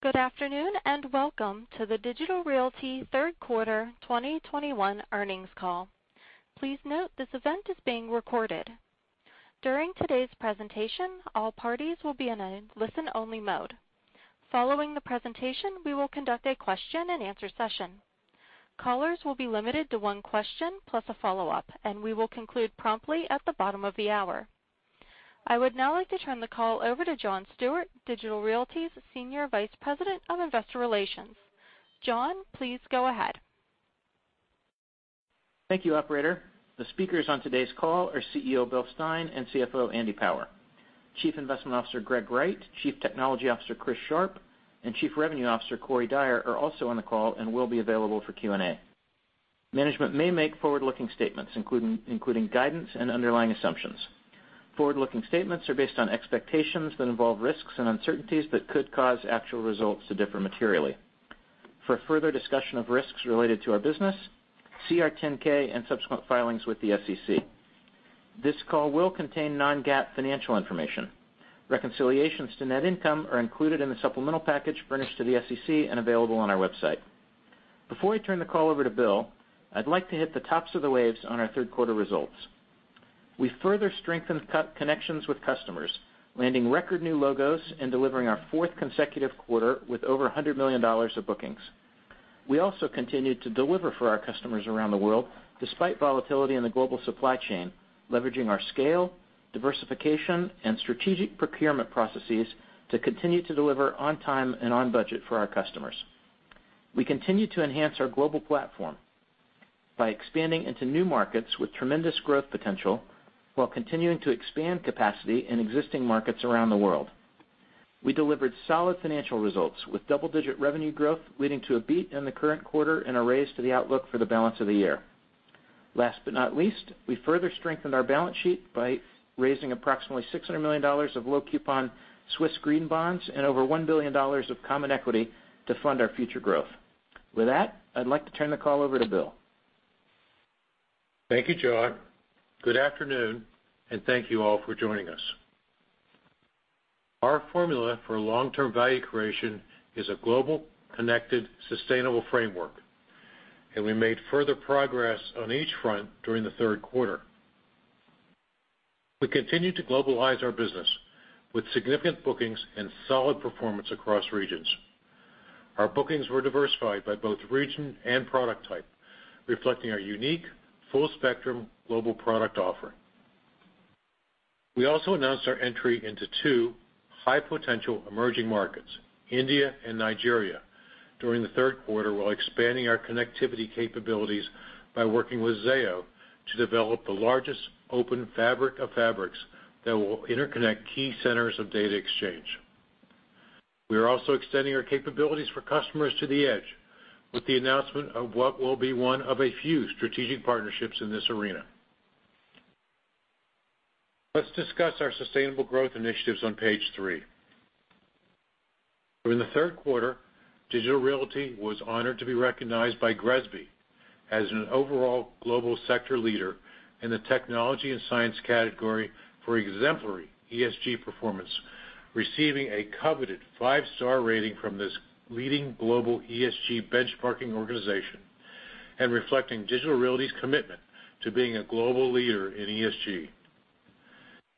Good afternoon, and welcome to the Digital Realty third quarter 2021 earnings call. Please note this event is being recorded. During today's presentation, all parties will be in a listen-only mode. Following the presentation, we will conduct a question-and-answer session. Callers will be limited to one question plus a follow-up, and we will conclude promptly at the bottom of the hour. I would now like to turn the call over to John Stewart, Digital Realty's Senior Vice President of Investor Relations. John, please go ahead. Thank you, operator. The speakers on today's call are CEO Bill Stein and CFO Andy Power. Chief Investment Officer Greg Wright, Chief Technology Officer Chris Sharp, and Chief Revenue Officer Corey Dyer are also on the call and will be available for Q&A. Management may make forward-looking statements including guidance and underlying assumptions. Forward-looking statements are based on expectations that involve risks and uncertainties that could cause actual results to differ materially. For further discussion of risks related to our business, see our 10-K and subsequent filings with the SEC. This call will contain non-GAAP financial information. Reconciliations to net income are included in the supplemental package furnished to the SEC and available on our website. Before I turn the call over to Bill, I'd like to hit the highlights on our third quarter results. We further strengthened interconnections with customers, landing record new logos and delivering our fourth consecutive quarter with over $100 million of bookings. We also continued to deliver for our customers around the world despite volatility in the global supply chain, leveraging our scale, diversification, and strategic procurement processes to continue to deliver on time and on budget for our customers. We continue to enhance our global platform by expanding into new markets with tremendous growth potential while continuing to expand capacity in existing markets around the world. We delivered solid financial results with double-digit revenue growth, leading to a beat in the current quarter and a raise to the outlook for the balance of the year. Last but not least, we further strengthened our balance sheet by raising approximately CHF 600 million of low coupon Swiss green bonds and over $1 billion of common equity to fund our future growth. With that, I'd like to turn the call over to Bill. Thank you, John. Good afternoon, and thank you all for joining us. Our formula for long-term value creation is a global, connected, sustainable framework, and we made further progress on each front during the third quarter. We continued to globalize our business with significant bookings and solid performance across regions. Our bookings were diversified by both region and product type, reflecting our unique full-spectrum global product offering. We also announced our entry into two high-potential emerging markets, India and Nigeria, during the third quarter, while expanding our connectivity capabilities by working with Zayo to develop the largest open fabric of fabrics that will interconnect key centers of data exchange. We are also extending our capabilities for customers to the edge with the announcement of what will be one of a few strategic partnerships in this arena. Let's discuss our sustainable growth initiatives on page three. During the third quarter, Digital Realty was honored to be recognized by GRESB as an overall global sector leader in the technology and science category for exemplary ESG performance, receiving a coveted five-star rating from this leading global ESG benchmarking organization and reflecting Digital Realty's commitment to being a global leader in ESG.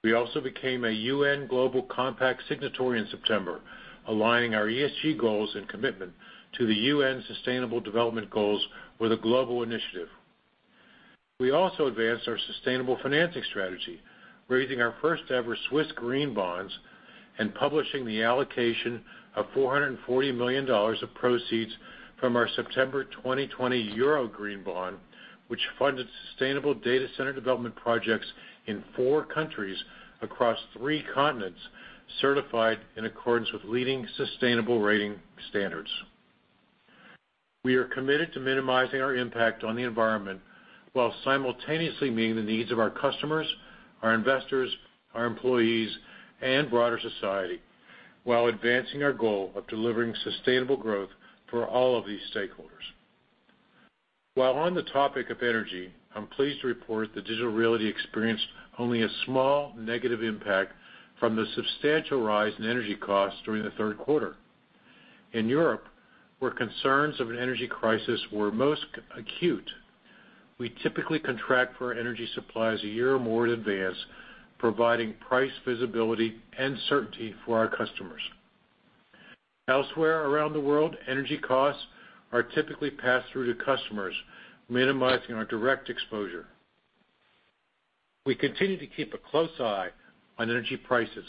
We also became a UN Global Compact signatory in September, aligning our ESG goals and commitment to the UN Sustainable Development Goals with a global initiative. We also advanced our sustainable financing strategy, raising our first-ever Swiss green bonds and publishing the allocation of $440 million of proceeds from our September 2020 Euro green bond, which funded sustainable data center development projects in four countries across three continents, certified in accordance with leading sustainable rating standards. We are committed to minimizing our impact on the environment while simultaneously meeting the needs of our customers, our investors, our employees, and broader society while advancing our goal of delivering sustainable growth for all of these stakeholders. While on the topic of energy, I'm pleased to report that Digital Realty experienced only a small negative impact from the substantial rise in energy costs during the third quarter. In Europe, where concerns of an energy crisis were most acute, we typically contract for our energy supplies a year or more in advance, providing price visibility and certainty for our customers. Elsewhere around the world, energy costs are typically passed through to customers, minimizing our direct exposure. We continue to keep a close eye on energy prices,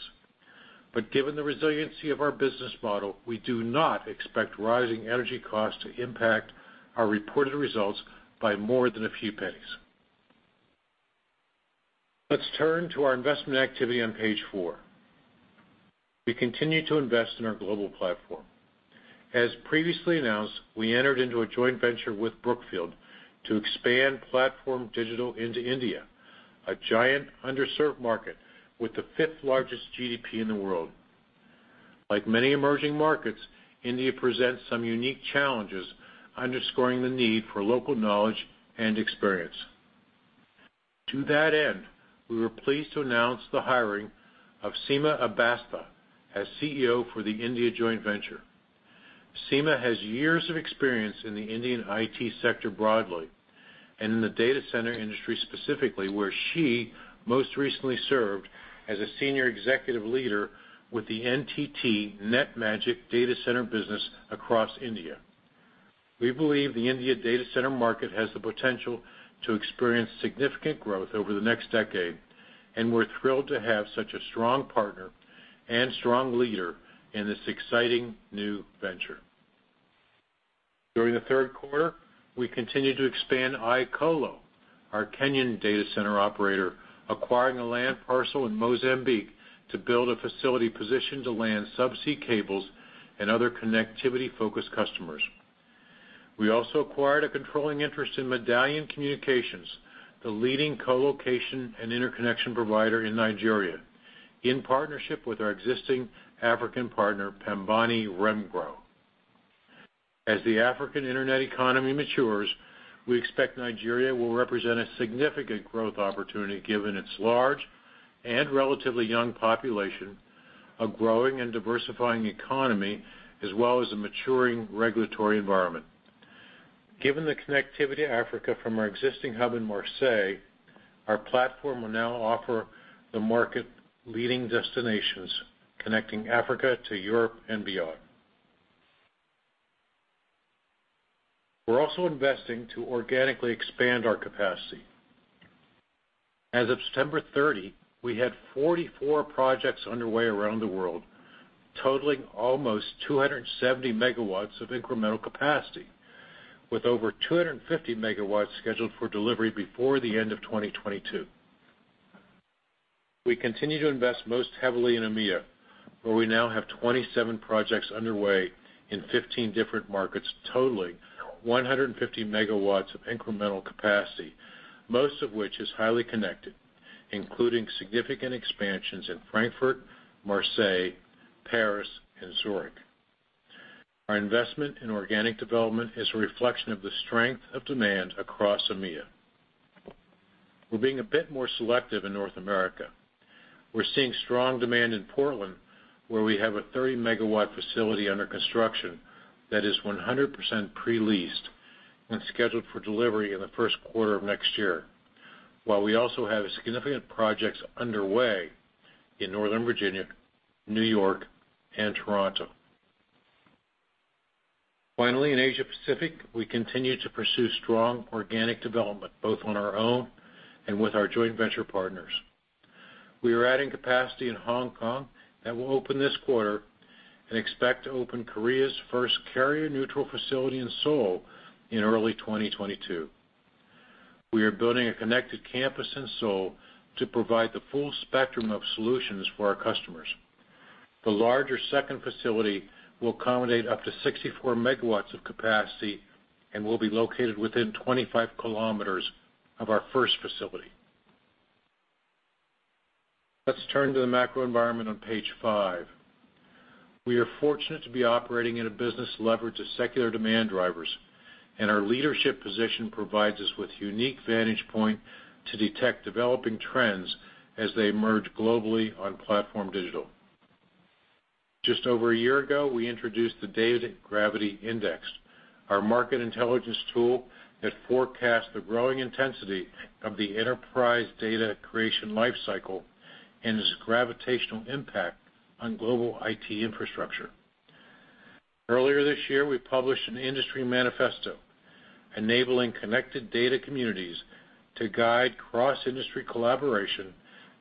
but given the resiliency of our business model, we do not expect rising energy costs to impact our reported results by more than a few pennies. Let's turn to our investment activity on page four. We continue to invest in our global platform. As previously announced, we entered into a joint venture with Brookfield to expand PlatformDIGITAL into India, a giant underserved market with the fifth-largest GDP in the world. Like many emerging markets, India presents some unique challenges, underscoring the need for local knowledge and experience. To that end, we were pleased to announce the hiring of Seema Ambastha as CEO for the India joint venture. Seema Ambastha has years of experience in the Indian IT sector broadly, and in the data center industry specifically, where she most recently served as a senior executive leader with the NTT NetMagic data center business across India. We believe the India data center market has the potential to experience significant growth over the next decade, and we're thrilled to have such a strong partner and strong leader in this exciting new venture. During the third quarter, we continued to expand iColo, our Kenyan data center operator, acquiring a land parcel in Mozambique to build a facility positioned to land subsea cables and other connectivity-focused customers. We also acquired a controlling interest in Medallion Communications, the leading colocation and interconnection provider in Nigeria, in partnership with our existing African partner, Pembani Remgro. As the African internet economy matures, we expect Nigeria will represent a significant growth opportunity given its large and relatively young population, a growing and diversifying economy, as well as a maturing regulatory environment. Given the connectivity to Africa from our existing hub in Marseille, our platform will now offer the market-leading destinations connecting Africa to Europe and beyond. We're also investing to organically expand our capacity. As of September 30, we had 44 projects underway around the world, totaling almost 270 MW of incremental capacity, with over 250 MW scheduled for delivery before the end of 2022. We continue to invest most heavily in EMEA, where we now have 27 projects underway in 15 different markets totaling 150 MW of incremental capacity, most of which is highly connected, including significant expansions in Frankfurt, Marseille, Paris, and Zurich. Our investment in organic development is a reflection of the strength of demand across EMEA. We're being a bit more selective in North America. We're seeing strong demand in Portland, where we have a 30 MW facility under construction that is 100% pre-leased and scheduled for delivery in the first quarter of next year, while we also have significant projects underway in Northern Virginia, New York, and Toronto. Finally, in Asia-Pacific, we continue to pursue strong organic development, both on our own and with our joint venture partners. We are adding capacity in Hong Kong that will open this quarter and expect to open Korea's first carrier-neutral facility in Seoul in early 2022. We are building a connected campus in Seoul to provide the full spectrum of solutions for our customers. The larger second facility will accommodate up to 64 MW of capacity and will be located within 25 km of our first facility. Let's turn to the macro environment on page five. We are fortunate to be operating in a business leveraged to secular demand drivers, and our leadership position provides us with unique vantage point to detect developing trends as they emerge globally on PlatformDIGITAL. Just over a year ago, we introduced the Data Gravity Index, our market intelligence tool that forecasts the growing intensity of the enterprise data creation lifecycle and its gravitational impact on global IT infrastructure. Earlier this year, we published an industry manifesto enabling connected data communities to guide cross-industry collaboration,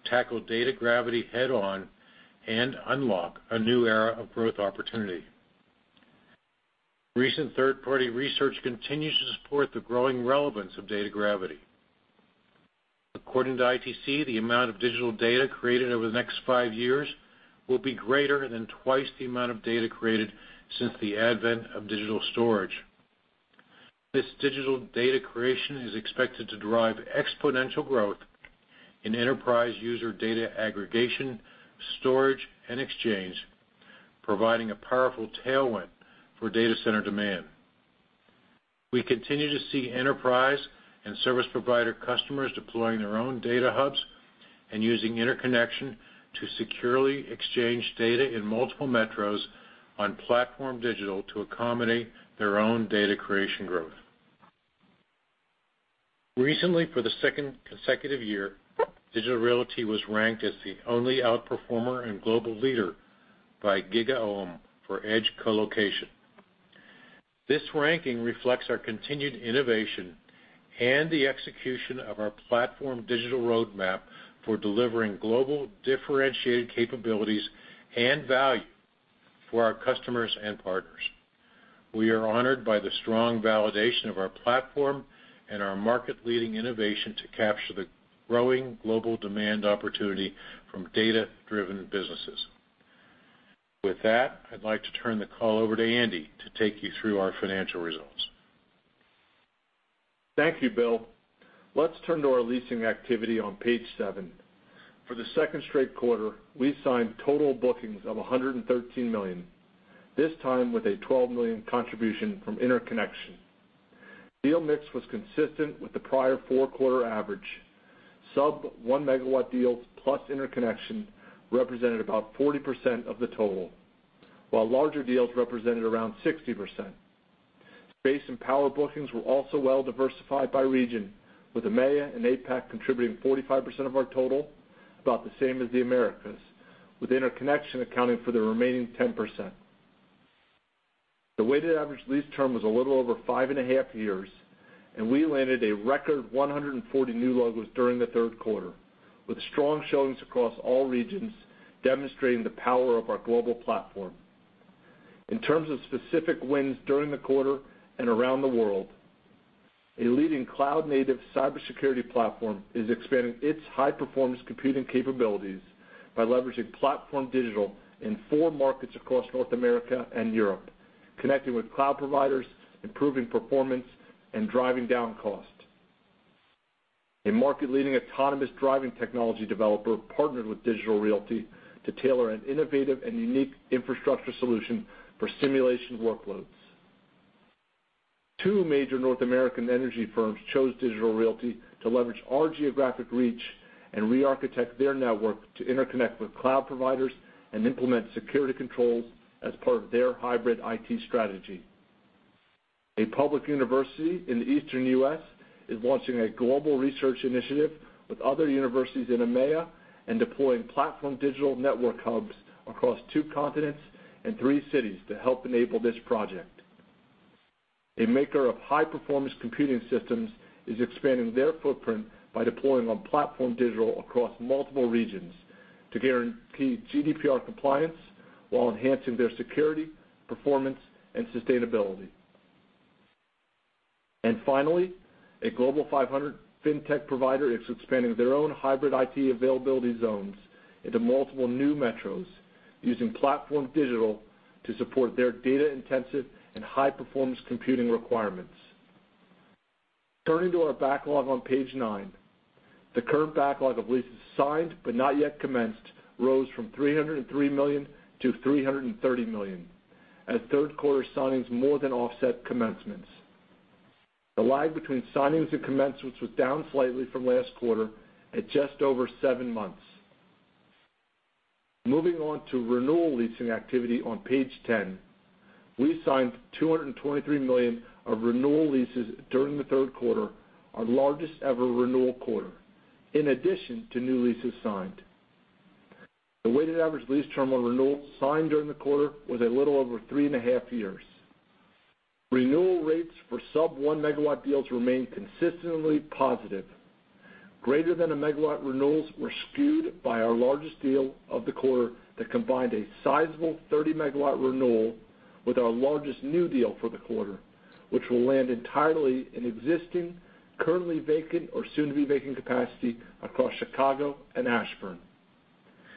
tackle data gravity head-on, and unlock a new era of growth opportunity. Recent third-party research continues to support the growing relevance of data gravity. According to IDC, the amount of digital data created over the next five years will be greater than twice the amount of data created since the advent of digital storage. This digital data creation is expected to drive exponential growth in enterprise user data aggregation, storage, and exchange, providing a powerful tailwind for data center demand. We continue to see enterprise and service provider customers deploying their own data hubs and using interconnection to securely exchange data in multiple metros on PlatformDIGITAL to accommodate their own data creation growth. Recently, for the second consecutive year, Digital Realty was ranked as the only outperformer and global leader by GigaOm for edge colocation. This ranking reflects our continued innovation and the execution of our PlatformDIGITAL roadmap for delivering global differentiated capabilities and value for our customers and partners. We are honored by the strong validation of our platform and our market-leading innovation to capture the growing global demand opportunity from data-driven businesses. With that, I'd like to turn the call over to Andy to take you through our financial results. Thank you, Bill. Let's turn to our leasing activity on page seven. For the second straight quarter, we signed total bookings of $113 million, this time with a $12 million contribution from interconnection. Deal mix was consistent with the prior four-quarter average. Sub 1 MW deals plus interconnection represented about 40% of the total, while larger deals represented around 60%. Space and power bookings were also well-diversified by region, with EMEA and APAC contributing 45% of our total, about the same as the Americas, with interconnection accounting for the remaining 10%. The weighted average lease term was a little over five and half years, and we landed a record 140 new logos during the third quarter, with strong showings across all regions, demonstrating the power of our global platform. In terms of specific wins during the quarter and around the world, a leading cloud-native cybersecurity platform is expanding its high-performance computing capabilities by leveraging PlatformDIGITAL in four markets across North America and Europe, connecting with cloud providers, improving performance, and driving down costs. A market-leading autonomous driving technology developer partnered with Digital Realty to tailor an innovative and unique infrastructure solution for simulation workloads. Two major North American energy firms chose Digital Realty to leverage our geographic reach and re-architect their network to interconnect with cloud providers and implement security controls as part of their hybrid IT strategy. A public university in the Eastern U.S. is launching a global research initiative with other universities in EMEA and deploying PlatformDIGITAL network hubs across two continents and three cities to help enable this project. A maker of high-performance computing systems is expanding their footprint by deploying on PlatformDIGITAL across multiple regions to guarantee GDPR compliance while enhancing their security, performance, and sustainability. Finally, a Global 500 fintech provider is expanding their own hybrid IT availability zones into multiple new metros using PlatformDIGITAL to support their data-intensive and high-performance computing requirements. Turning to our backlog on page nine. The current backlog of leases signed but not yet commenced rose from $303 million to $330 million as third-quarter signings more than offset commencements. The lag between signings and commencements was down slightly from last quarter at just over seven months. Moving on to renewal leasing activity on page 10. We signed $223 million of renewal leases during the third quarter, our largest-ever renewal quarter, in addition to new leases signed. The weighted average lease term on renewals signed during the quarter was a little over three and half years. Renewal rates for sub 1-MW deals remained consistently positive. Greater than 1-MW renewals were skewed by our largest deal of the quarter that combined a sizable 30-MW renewal with our largest new deal for the quarter, which will land entirely in existing, currently vacant or soon-to-be vacant capacity across Chicago and Ashburn.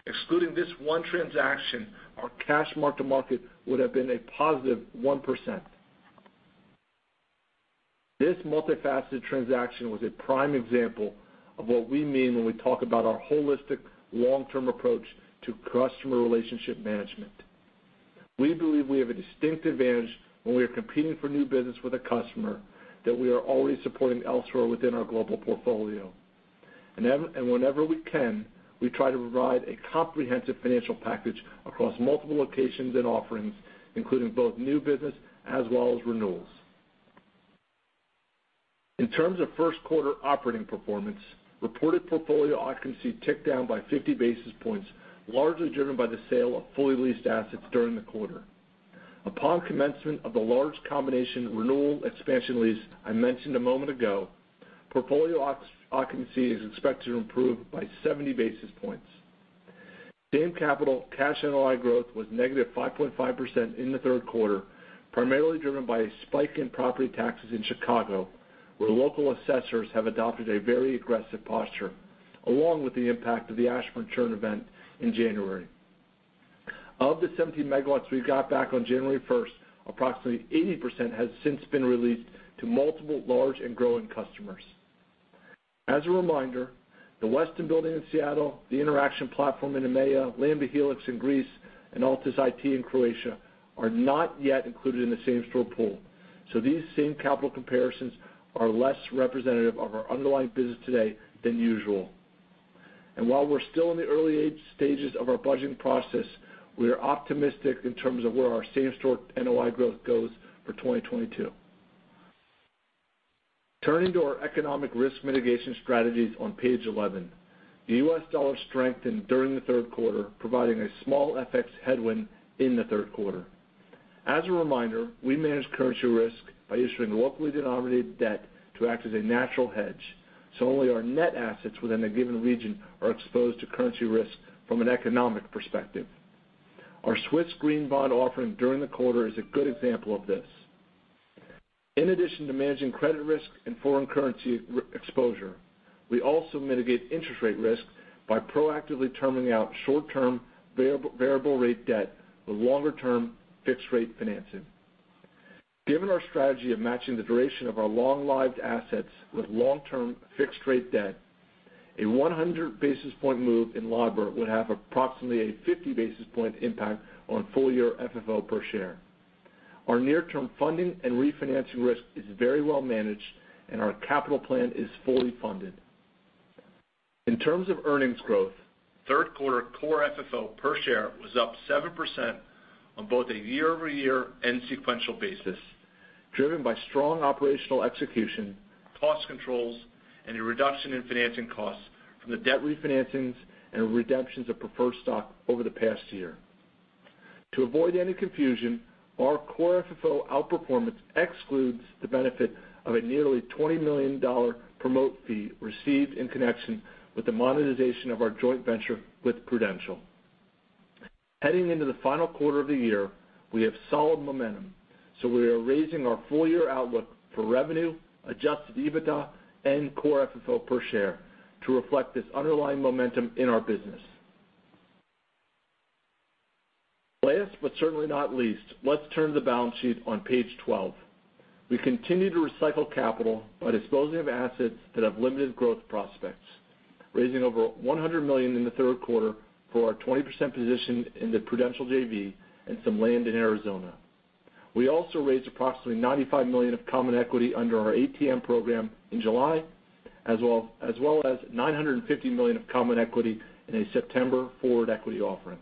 Excluding this one transaction, our cash mark-to-market would have been a positive 1%. This multifaceted transaction was a prime example of what we mean when we talk about our holistic long-term approach to customer relationship management. We believe we have a distinct advantage when we are competing for new business with a customer that we are already supporting elsewhere within our global portfolio. Whenever we can, we try to provide a comprehensive financial package across multiple locations and offerings, including both new business as well as renewals. In terms of first quarter operating performance, reported portfolio occupancy ticked down by 50 basis points, largely driven by the sale of fully leased assets during the quarter. Upon commencement of the large combination renewal expansion lease I mentioned a moment ago, portfolio occupancy is expected to improve by 70 basis points. Same capital cash NOI growth was -5.5% in the third quarter, primarily driven by a spike in property taxes in Chicago, where local assessors have adopted a very aggressive posture, along with the impact of the Ashburn churn event in January. Of the 70 MW we got back on January 1, approximately 80% has since been released to multiple large and growing customers. As a reminder, the Westin Building in Seattle, the Interxion platform in EMEA, Lamda Hellix in Greece, and Altus IT in Croatia are not yet included in the same-store pool, so these same-store comparisons are less representative of our underlying business today than usual. While we're still in the early stages of our budgeting process, we are optimistic in terms of where our same-store NOI growth goes for 2022. Turning to our economic risk mitigation strategies on page 11. The U.S. dollar strengthened during the third quarter, providing a small FX headwind in the third quarter. As a reminder, we manage currency risk by issuing locally denominated debt to act as a natural hedge, so only our net assets within a given region are exposed to currency risk from an economic perspective. Our Swiss green bond offering during the quarter is a good example of this. In addition to managing credit risk and foreign currency exposure, we also mitigate interest rate risk by proactively terming out short-term variable rate debt with longer-term fixed-rate financing. Given our strategy of matching the duration of our long-lived assets with long-term fixed rate debt, a 100 basis point move in LIBOR would have approximately a 50 basis point impact on full year FFO per share. Our near-term funding and refinancing risk is very well managed, and our capital plan is fully funded. In terms of earnings growth, third quarter core FFO per share was up 7% on both a year-over-year and sequential basis, driven by strong operational execution, cost controls, and a reduction in financing costs from the debt refinancings and redemptions of preferred stock over the past year. To avoid any confusion, our core FFO outperformance excludes the benefit of a nearly $20 million promote fee received in connection with the monetization of our joint venture with Prudential. Heading into the final quarter of the year, we have solid momentum, so we are raising our full year outlook for revenue, adjusted EBITDA, and core FFO per share to reflect this underlying momentum in our business. Last, but certainly not least, let's turn to the balance sheet on page 12. We continue to recycle capital by disposing of assets that have limited growth prospects, raising over $100 million in the third quarter for our 20% position in the Prudential JV and some land in Arizona. We also raised approximately $95 million of common equity under our ATM program in July, as well as $950 million of common equity in a September forward equity offering.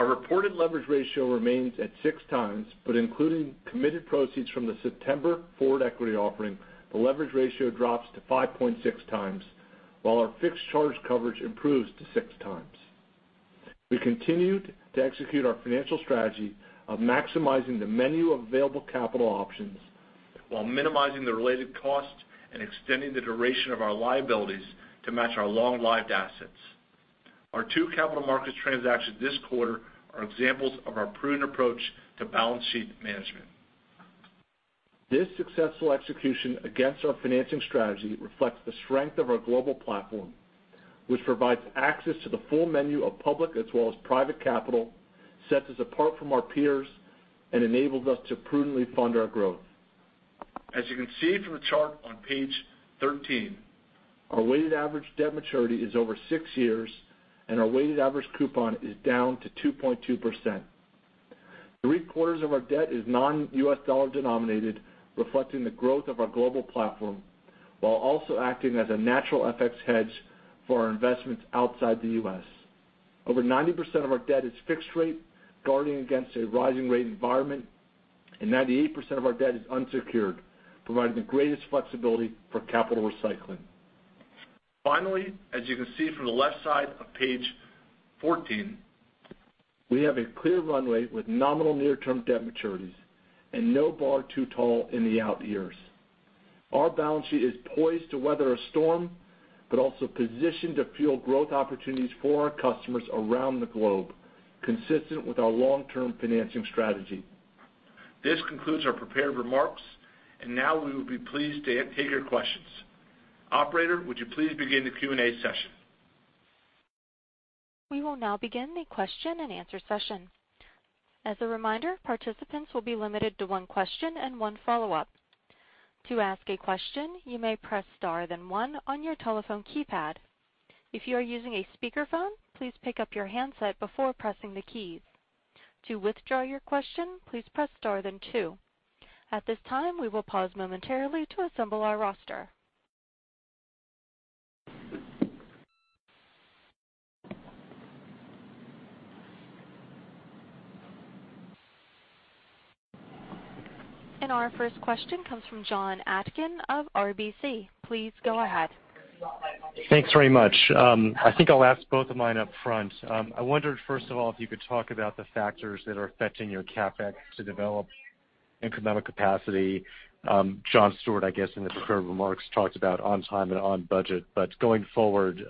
Our reported leverage ratio remains at 6x, but including committed proceeds from the September forward equity offering, the leverage ratio drops to 5.6x, while our fixed charge coverage improves to 6x. We continued to execute our financial strategy of maximizing the menu of available capital options while minimizing the related costs and extending the duration of our liabilities to match our long-lived assets. Our two capital markets transactions this quarter are examples of our prudent approach to balance sheet management. This successful execution against our financing strategy reflects the strength of our global platform, which provides access to the full menu of public as well as private capital, sets us apart from our peers, and enables us to prudently fund our growth. As you can see from the chart on page 13, our weighted average debt maturity is over six years, and our weighted average coupon is down to 2.2%. Three-quarters of our debt is non-U.S. dollar denominated, reflecting the growth of our global platform while also acting as a natural FX hedge for our investments outside the U.S. Over 90% of our debt is fixed rate, guarding against a rising rate environment, and 98% of our debt is unsecured, providing the greatest flexibility for capital recycling. Finally, as you can see from the left side of page 14, we have a clear runway with nominal near-term debt maturities and no bar too tall in the out years. Our balance sheet is poised to weather a storm, but also positioned to fuel growth opportunities for our customers around the globe, consistent with our long-term financing strategy. This concludes our prepared remarks, and now we will be pleased to take your questions. Operator, would you please begin the Q&A session? We will now begin the question-and-answer session. As a reminder, participants will be limited to one question and one follow-up. To ask a question, you may press star then one on your telephone keypad. If you are using a speakerphone, please pick up your handset before pressing the keys. To withdraw your question, please press star then two. At this time, we will pause momentarily to assemble our roster. Our first question comes from Jon Atkin of RBC. Please go ahead. Thanks very much. I think I'll ask both of mine up front. I wondered, first of all, if you could talk about the factors that are affecting your CapEx to develop economic capacity. John Stewart, I guess, in his prepared remarks, talked about on time and on budget. Going forward,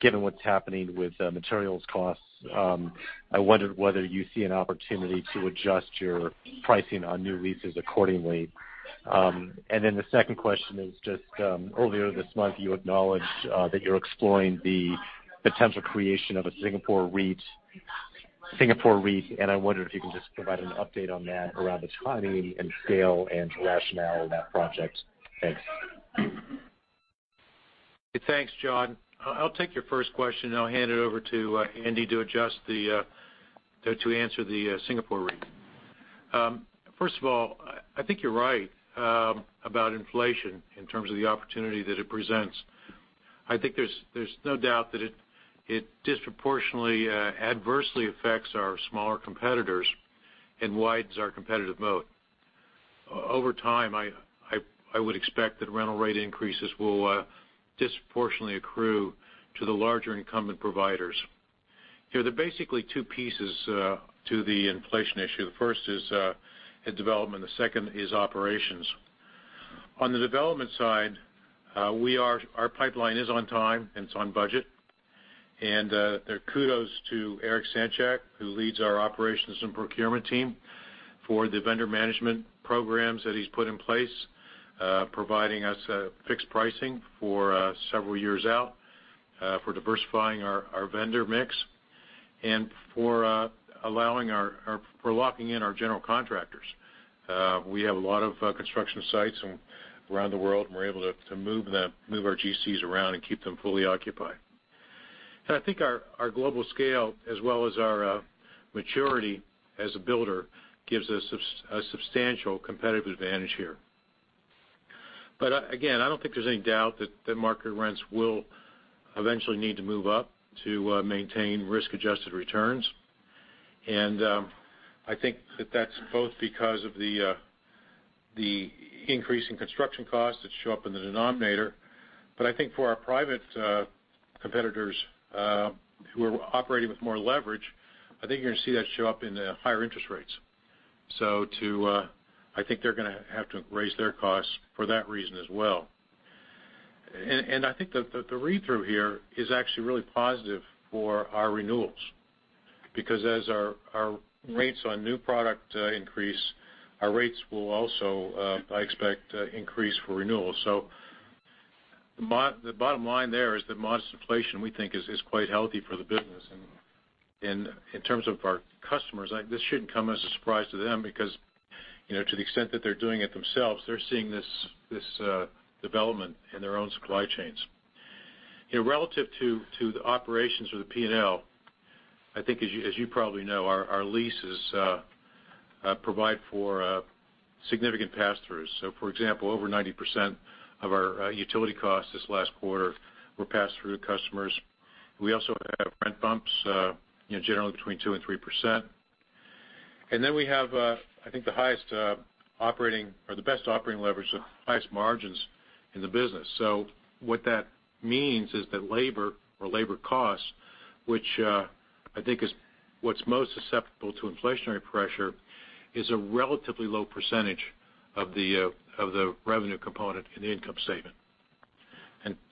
given what's happening with materials costs, I wondered whether you see an opportunity to adjust your pricing on new leases accordingly. Then the second question is just, earlier this month, you acknowledged that you're exploring the potential creation of a Singapore REIT, and I wondered if you can just provide an update on that around the timing and scale and rationale of that project. Thanks. Thanks, Jon. I'll take your first question, then I'll hand it over to Andy to answer the Singapore REIT. First of all, I think you're right about inflation in terms of the opportunity that it presents. I think there's no doubt that it disproportionately adversely affects our smaller competitors and widens our competitive moat. Over time, I would expect that rental rate increases will disproportionately accrue to the larger incumbent providers. There are basically two pieces to the inflation issue. The first is in development, and the second is operations. On the development side, our pipeline is on time, and it's on budget. Kudos to Eric Schwartz, who leads our operations and procurement team, for the vendor management programs that he's put in place, providing us fixed pricing for several years out, for diversifying our vendor mix. Locking in our general contractors. We have a lot of construction sites around the world, and we're able to move our GCs around and keep them fully occupied. I think our global scale, as well as our maturity as a builder, gives us a substantial competitive advantage here. Again, I don't think there's any doubt that the market rents will eventually need to move up to maintain risk-adjusted returns. I think that's both because of the increase in construction costs that show up in the denominator. I think for our private competitors, who are operating with more leverage, I think you're gonna see that show up in the higher interest rates. To I think they're gonna have to raise their costs for that reason as well. I think the read-through here is actually really positive for our renewals. Because as our rates on new product increase, our rates will also, I expect, increase for renewals. The bottom line there is that modest inflation, we think is quite healthy for the business. In terms of our customers, this shouldn't come as a surprise to them because, you know, to the extent that they're doing it themselves, they're seeing this development in their own supply chains. You know, relative to the operations or the P&L, I think as you probably know, our leases provide for significant pass-throughs. For example, over 90% of our utility costs this last quarter were passed through to customers. We also have rent bumps, you know, generally between 2% and 3%. Then we have, I think the highest, operating or the best operating leverage, the highest margins in the business. What that means is that labor or labor costs, which, I think is what's most susceptible to inflationary pressure, is a relatively low percentage of the, of the revenue component in the income statement.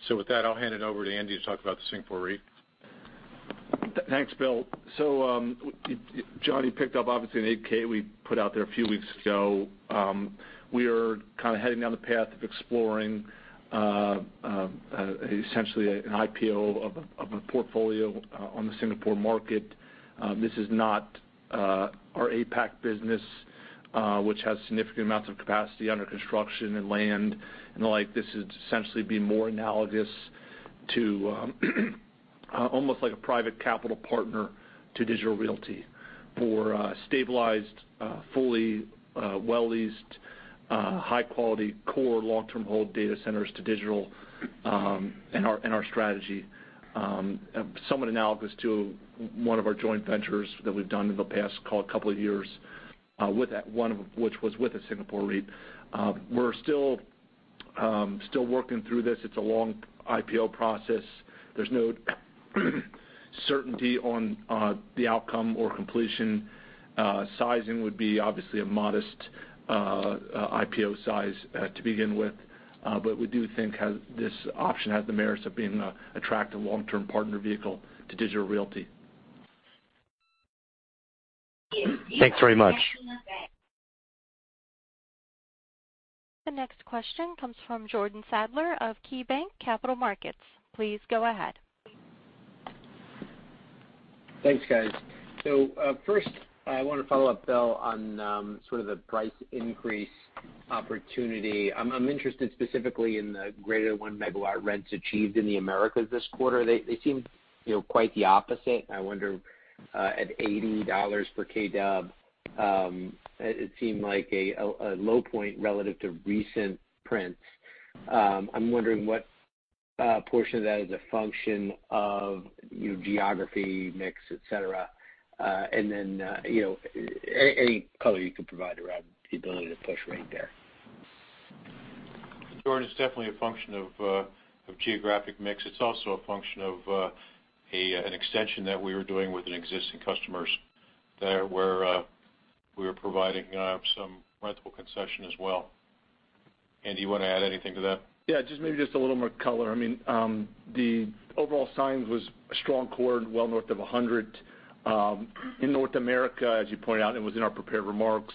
With that, I'll hand it over to Andy to talk about the Singapore REIT. Thanks, Bill. John picked up obviously an 8-K we put out there a few weeks ago. We are kind of heading down the path of exploring essentially an IPO of a portfolio on the Singapore market. This is not our APAC business, which has significant amounts of capacity under construction and land and the like. This would essentially be more analogous to almost like a private capital partner to Digital Realty for stabilized, fully, well-leased, high quality core long-term hold data centers to Digital in our strategy. Somewhat analogous to one of our joint ventures that we've done in the past, call it a couple of years, with that one of which was with a Singapore REIT. We're still working through this. It's a long IPO process. There's no certainty on the outcome or completion. Sizing would be obviously a modest IPO size to begin with. We do think this option has the merits of being an attractive long-term partner vehicle to Digital Realty. Thanks very much. The next question comes from Jordan Sadler of KeyBanc Capital Markets. Please go ahead. Thanks, guys. First I want to follow up, Bill, on sort of the price increase opportunity. I'm interested specifically in the greater than 1 MW rents achieved in the Americas this quarter. They seemed, you know, quite the opposite. I wonder, at $80 per kW, it seemed like a low point relative to recent prints. I'm wondering what portion of that is a function of, you know, geography, mix, et cetera. You know, any color you could provide around the ability to push rent there. Jordan, it's definitely a function of geographic mix. It's also a function of an extension that we were doing with an existing customer that we were providing some rental concession as well. Andy, you want to add anything to that? Yeah, just maybe a little more color. I mean, the overall signings was a strong quarter, well north of 100. In North America, as you pointed out, and it was in our prepared remarks,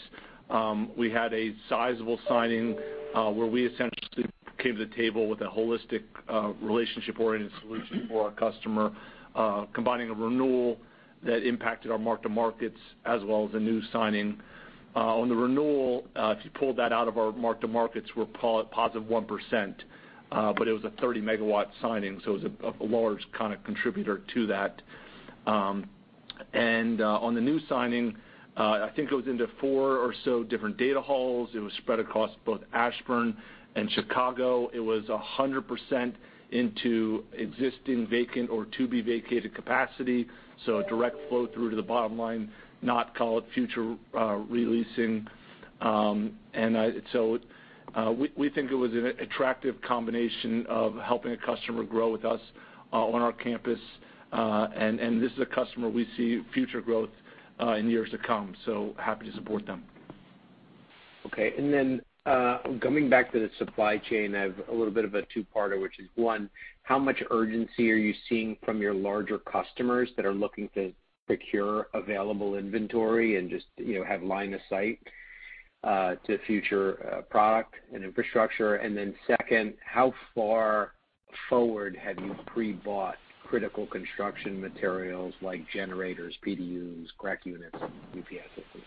we had a sizable signing, where we essentially came to the table with a holistic, relationship-oriented solution for our customer, combining a renewal that impacted our mark-to-markets as well as a new signing. On the renewal, if you pulled that out of our mark-to-markets, we're positive 1%, but it was a 30 MW signing, so it was a large kind of contributor to that. On the new signing, I think it goes into four or so different data halls. It was spread across both Ashburn and Chicago. It was 100% into existing vacant or to-be-vacated capacity, so a direct flow through to the bottom line, not call it future re-leasing. We think it was an attractive combination of helping a customer grow with us on our campus. This is a customer we see future growth in years to come, so happy to support them. Coming back to the supply chain, I have a little bit of a two-parter, which is, one, how much urgency are you seeing from your larger customers that are looking to secure available inventory and just, you know, have line of sight? to future, product and infrastructure. Then second, how far forward have you pre-bought critical construction materials like generators, PDUs, rack units, UPS systems?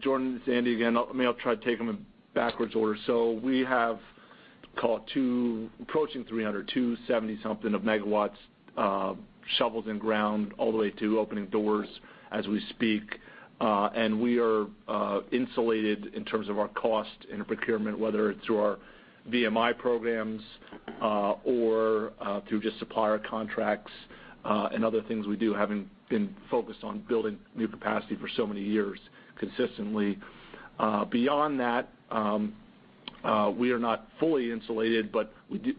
Jordan, it's Andy again. Maybe I'll try to take them in backwards order. We have call it 200, approaching 300, 270-something MW shovels in ground all the way to opening doors as we speak. We are insulated in terms of our cost in procurement, whether it's through our VMI programs or through just supplier contracts and other things we do, having been focused on building new capacity for so many years consistently. Beyond that, we are not fully insulated,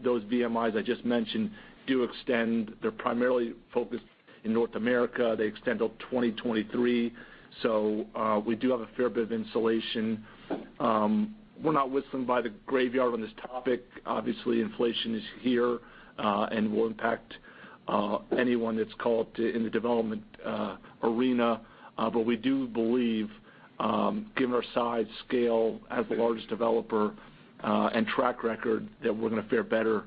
those VMIs I just mentioned do extend. They're primarily focused in North America. They extend till 2023, so we do have a fair bit of insulation. We're not whistling by the graveyard on this topic. Obviously, inflation is here, and will impact anyone that's called to in the development arena. But we do believe, given our size, scale as the largest developer, and track record, that we're gonna fare better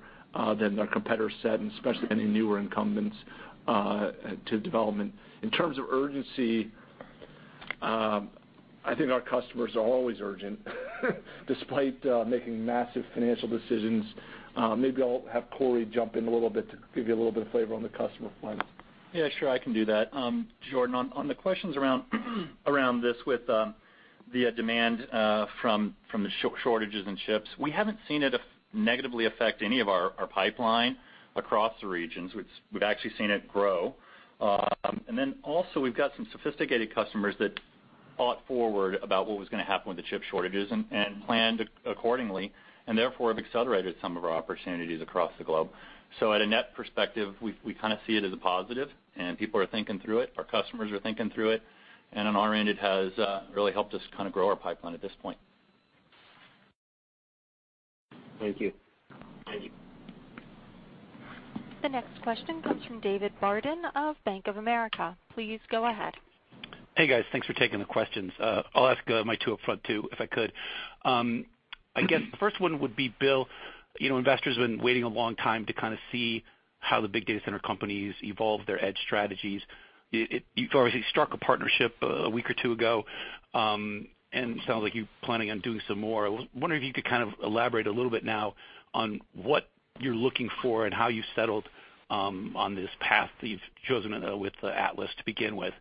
than our competitor set, and especially any newer incumbents to development. In terms of urgency, I think our customers are always urgent despite making massive financial decisions. Maybe I'll have Corey jump in a little bit to give you a little bit of flavor on the customer front. Yeah, sure, I can do that. Jordan, on the questions around this with the demand from the shortages in chips, we haven't seen it negatively affect any of our pipeline across the regions. We've actually seen it grow. We've got some sophisticated customers that thought ahead about what was gonna happen with the chip shortages and planned accordingly and therefore have accelerated some of our opportunities across the globe. At a net perspective, we kind of see it as a positive, and people are thinking through it, our customers are thinking through it. On our end, it has really helped us kind of grow our pipeline at this point. Thank you. Thank you. The next question comes from David Barden of Bank of America. Please go ahead. Hey, guys. Thanks for taking the questions. I'll ask my two up front too, if I could. I guess the first one would be Bill. You know, investors have been waiting a long time to kind of see how the big data center companies evolve their edge strategies. You've obviously struck a partnership a week or two ago, and it sounds like you're planning on doing some more. I was wondering if you could kind of elaborate a little bit now on what you're looking for and how you settled on this path that you've chosen with AtlasEdge to begin with.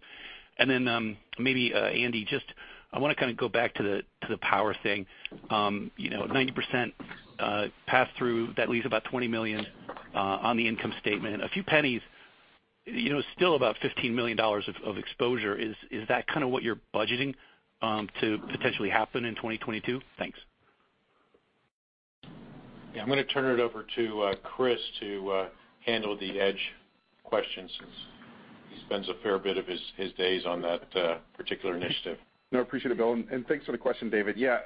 And then, maybe Andy, just I wanna kind of go back to the power thing. You know, 90% pass through, that leaves about $20 million on the income statement. A few pennies, you know, still about $15 million of exposure. Is that kind of what you're budgeting to potentially happen in 2022? Thanks. Yeah. I'm gonna turn it over to Chris to handle the edge question since he spends a fair bit of his days on that particular initiative. No, appreciate it, Bill, and thanks for the question, David. Yeah,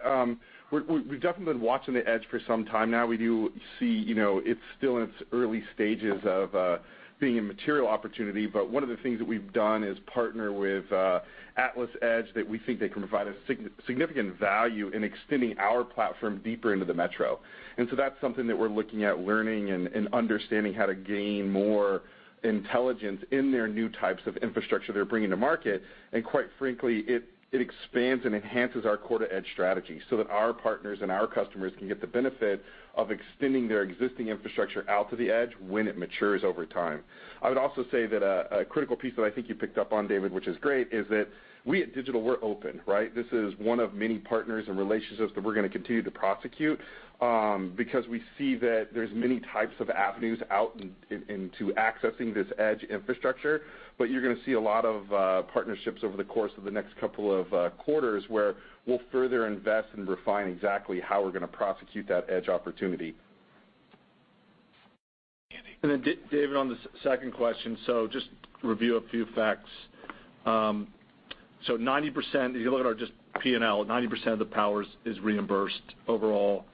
we've definitely been watching the edge for some time now. We do see, you know, it's still in its early stages of being a material opportunity. One of the things that we've done is partner with AtlasEdge that we think they can provide a significant value in extending our platform deeper into the metro. That's something that we're looking at learning and understanding how to gain more intelligence in their new types of infrastructure they're bringing to market. Quite frankly, it expands and enhances our core to edge strategy so that our partners and our customers can get the benefit of extending their existing infrastructure out to the edge when it matures over time. I would also say that a critical piece that I think you picked up on, David, which is great, is that we at Digital, we're open, right? This is one of many partners and relationships that we're gonna continue to prosecute, because we see that there's many types of avenues out into accessing this edge infrastructure. But you're gonna see a lot of partnerships over the course of the next couple of quarters, where we'll further invest and refine exactly how we're gonna prosecute that edge opportunity. Andy. Then David, on the second question, so just review a few facts. 90%, if you look at our just P&L, 90% of the power is reimbursed overall.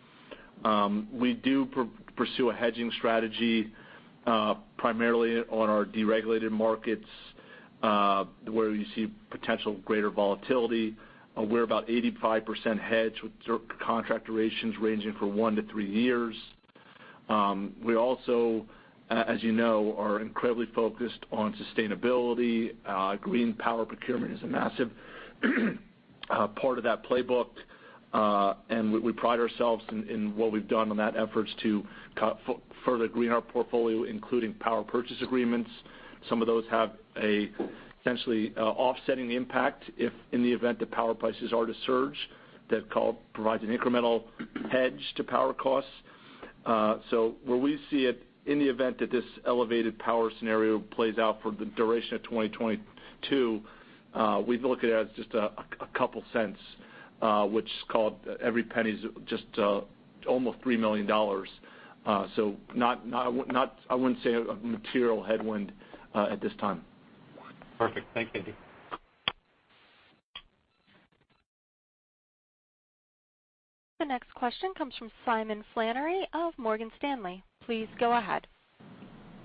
We do pursue a hedging strategy, primarily on our deregulated markets, where you see potential greater volatility. We're about 85% hedged with contract durations ranging from one-three years. We also, as you know, are incredibly focused on sustainability. Green power procurement is a massive part of that playbook. We pride ourselves in what we've done on those efforts to further green our portfolio, including power purchase agreements. Some of those have a potentially offsetting impact if in the event that power prices are to surge, that provides an incremental hedge to power costs. Where we see it in the event that this elevated power scenario plays out for the duration of 2022, we'd look at it as just a couple cents, which, call it, every penny is just almost $3 million. I wouldn't say a material headwind at this time. Perfect. Thanks, Andy. The next question comes from Simon Flannery of Morgan Stanley. Please go ahead.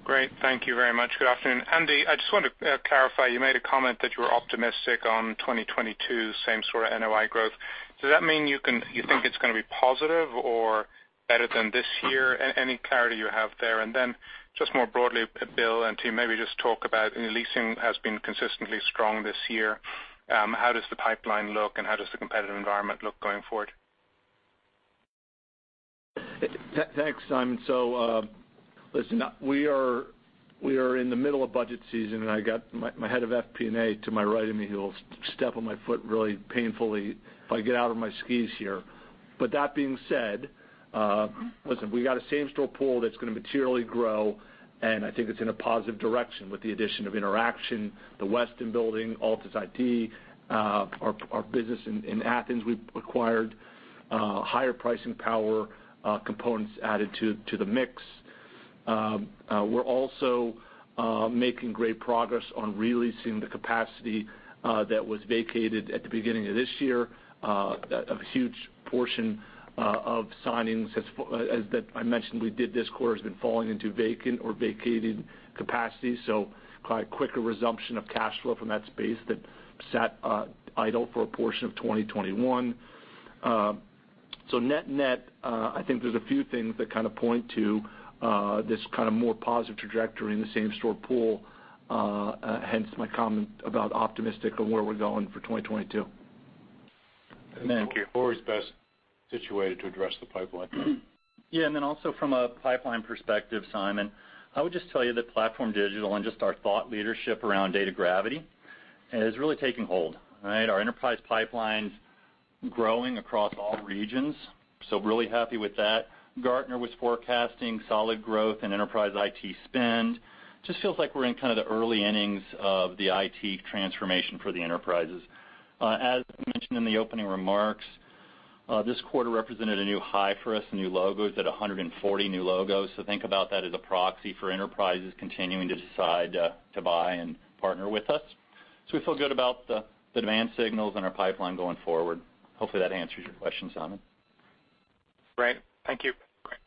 Great. Thank you very much. Good afternoon. Andy, I just wanted to clarify, you made a comment that you were optimistic on 2022 same store NOI growth. Does that mean you think it's gonna be positive or better than this year? Any clarity you have there? Just more broadly, Bill and team, maybe just talk about leasing has been consistently strong this year. How does the pipeline look, and how does the competitive environment look going forward? Thanks, Simon. Listen, we are in the middle of budget season, and I got my head of FP&A to my right, and he'll step on my foot really painfully if I get out of my skis here. That being said, listen, we got a same-store pool that's gonna materially grow, and I think it's in a positive direction with the addition of Interxion, the Westin Building, Altus IT, our business in Athens we acquired, higher pricing power, components added to the mix. We're also making great progress on re-leasing the capacity that was vacated at the beginning of this year. A huge portion of signings, as that I mentioned we did this quarter, has been falling into vacant or vacated capacity, so quicker resumption of cash flow from that space that sat idle for a portion of 2021. Net-net, I think there's a few things that kind of point to this kind of more positive trajectory in the same store pool, hence my comment about optimistic on where we're going for 2022. Thank you. Corey's best situated to address the pipeline piece. Yeah. From a pipeline perspective, Simon, I would just tell you that PlatformDIGITAL and just our thought leadership around Data Gravity is really taking hold, right? Our enterprise pipeline's growing across all regions, so really happy with that. Gartner was forecasting solid growth in enterprise IT spend. Just feels like we're in kind of the early innings of the IT transformation for the enterprises. As mentioned in the opening remarks, this quarter represented a new high for us, new logos at 140 new logos. So think about that as a proxy for enterprises continuing to decide to buy and partner with us. We feel good about the demand signals in our pipeline going forward. Hopefully, that answers your question, Simon. Great. Thank you. Great.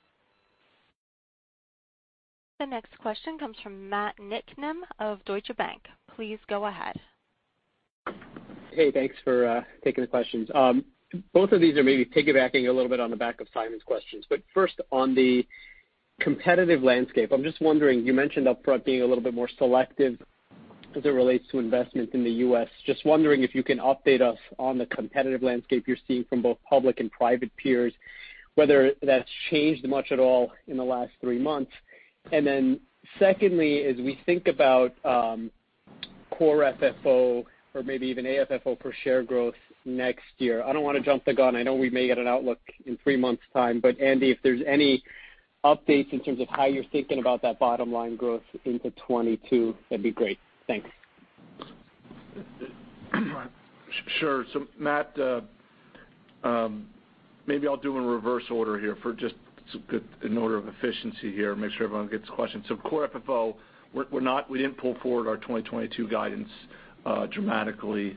The next question comes from Matthew Niknam of Deutsche Bank. Please go ahead. Hey, thanks for taking the questions. Both of these are maybe piggybacking a little bit on the back of Simon's questions, but first on the competitive landscape, I'm just wondering, you mentioned upfront being a little bit more selective as it relates to investments in the U.S. Just wondering if you can update us on the competitive landscape you're seeing from both public and private peers, whether that's changed much at all in the last three months. Then secondly, as we think about core FFO or maybe even AFFO per share growth next year, I don't wanna jump the gun, I know we may get an outlook in three months' time, but Andy, if there's any updates in terms of how you're thinking about that bottom line growth into 2022, that'd be great. Thanks. Sure. Matt, maybe I'll do in reverse order here in order of efficiency here, make sure everyone gets questions. Core FFO, we didn't pull forward our 2022 guidance dramatically.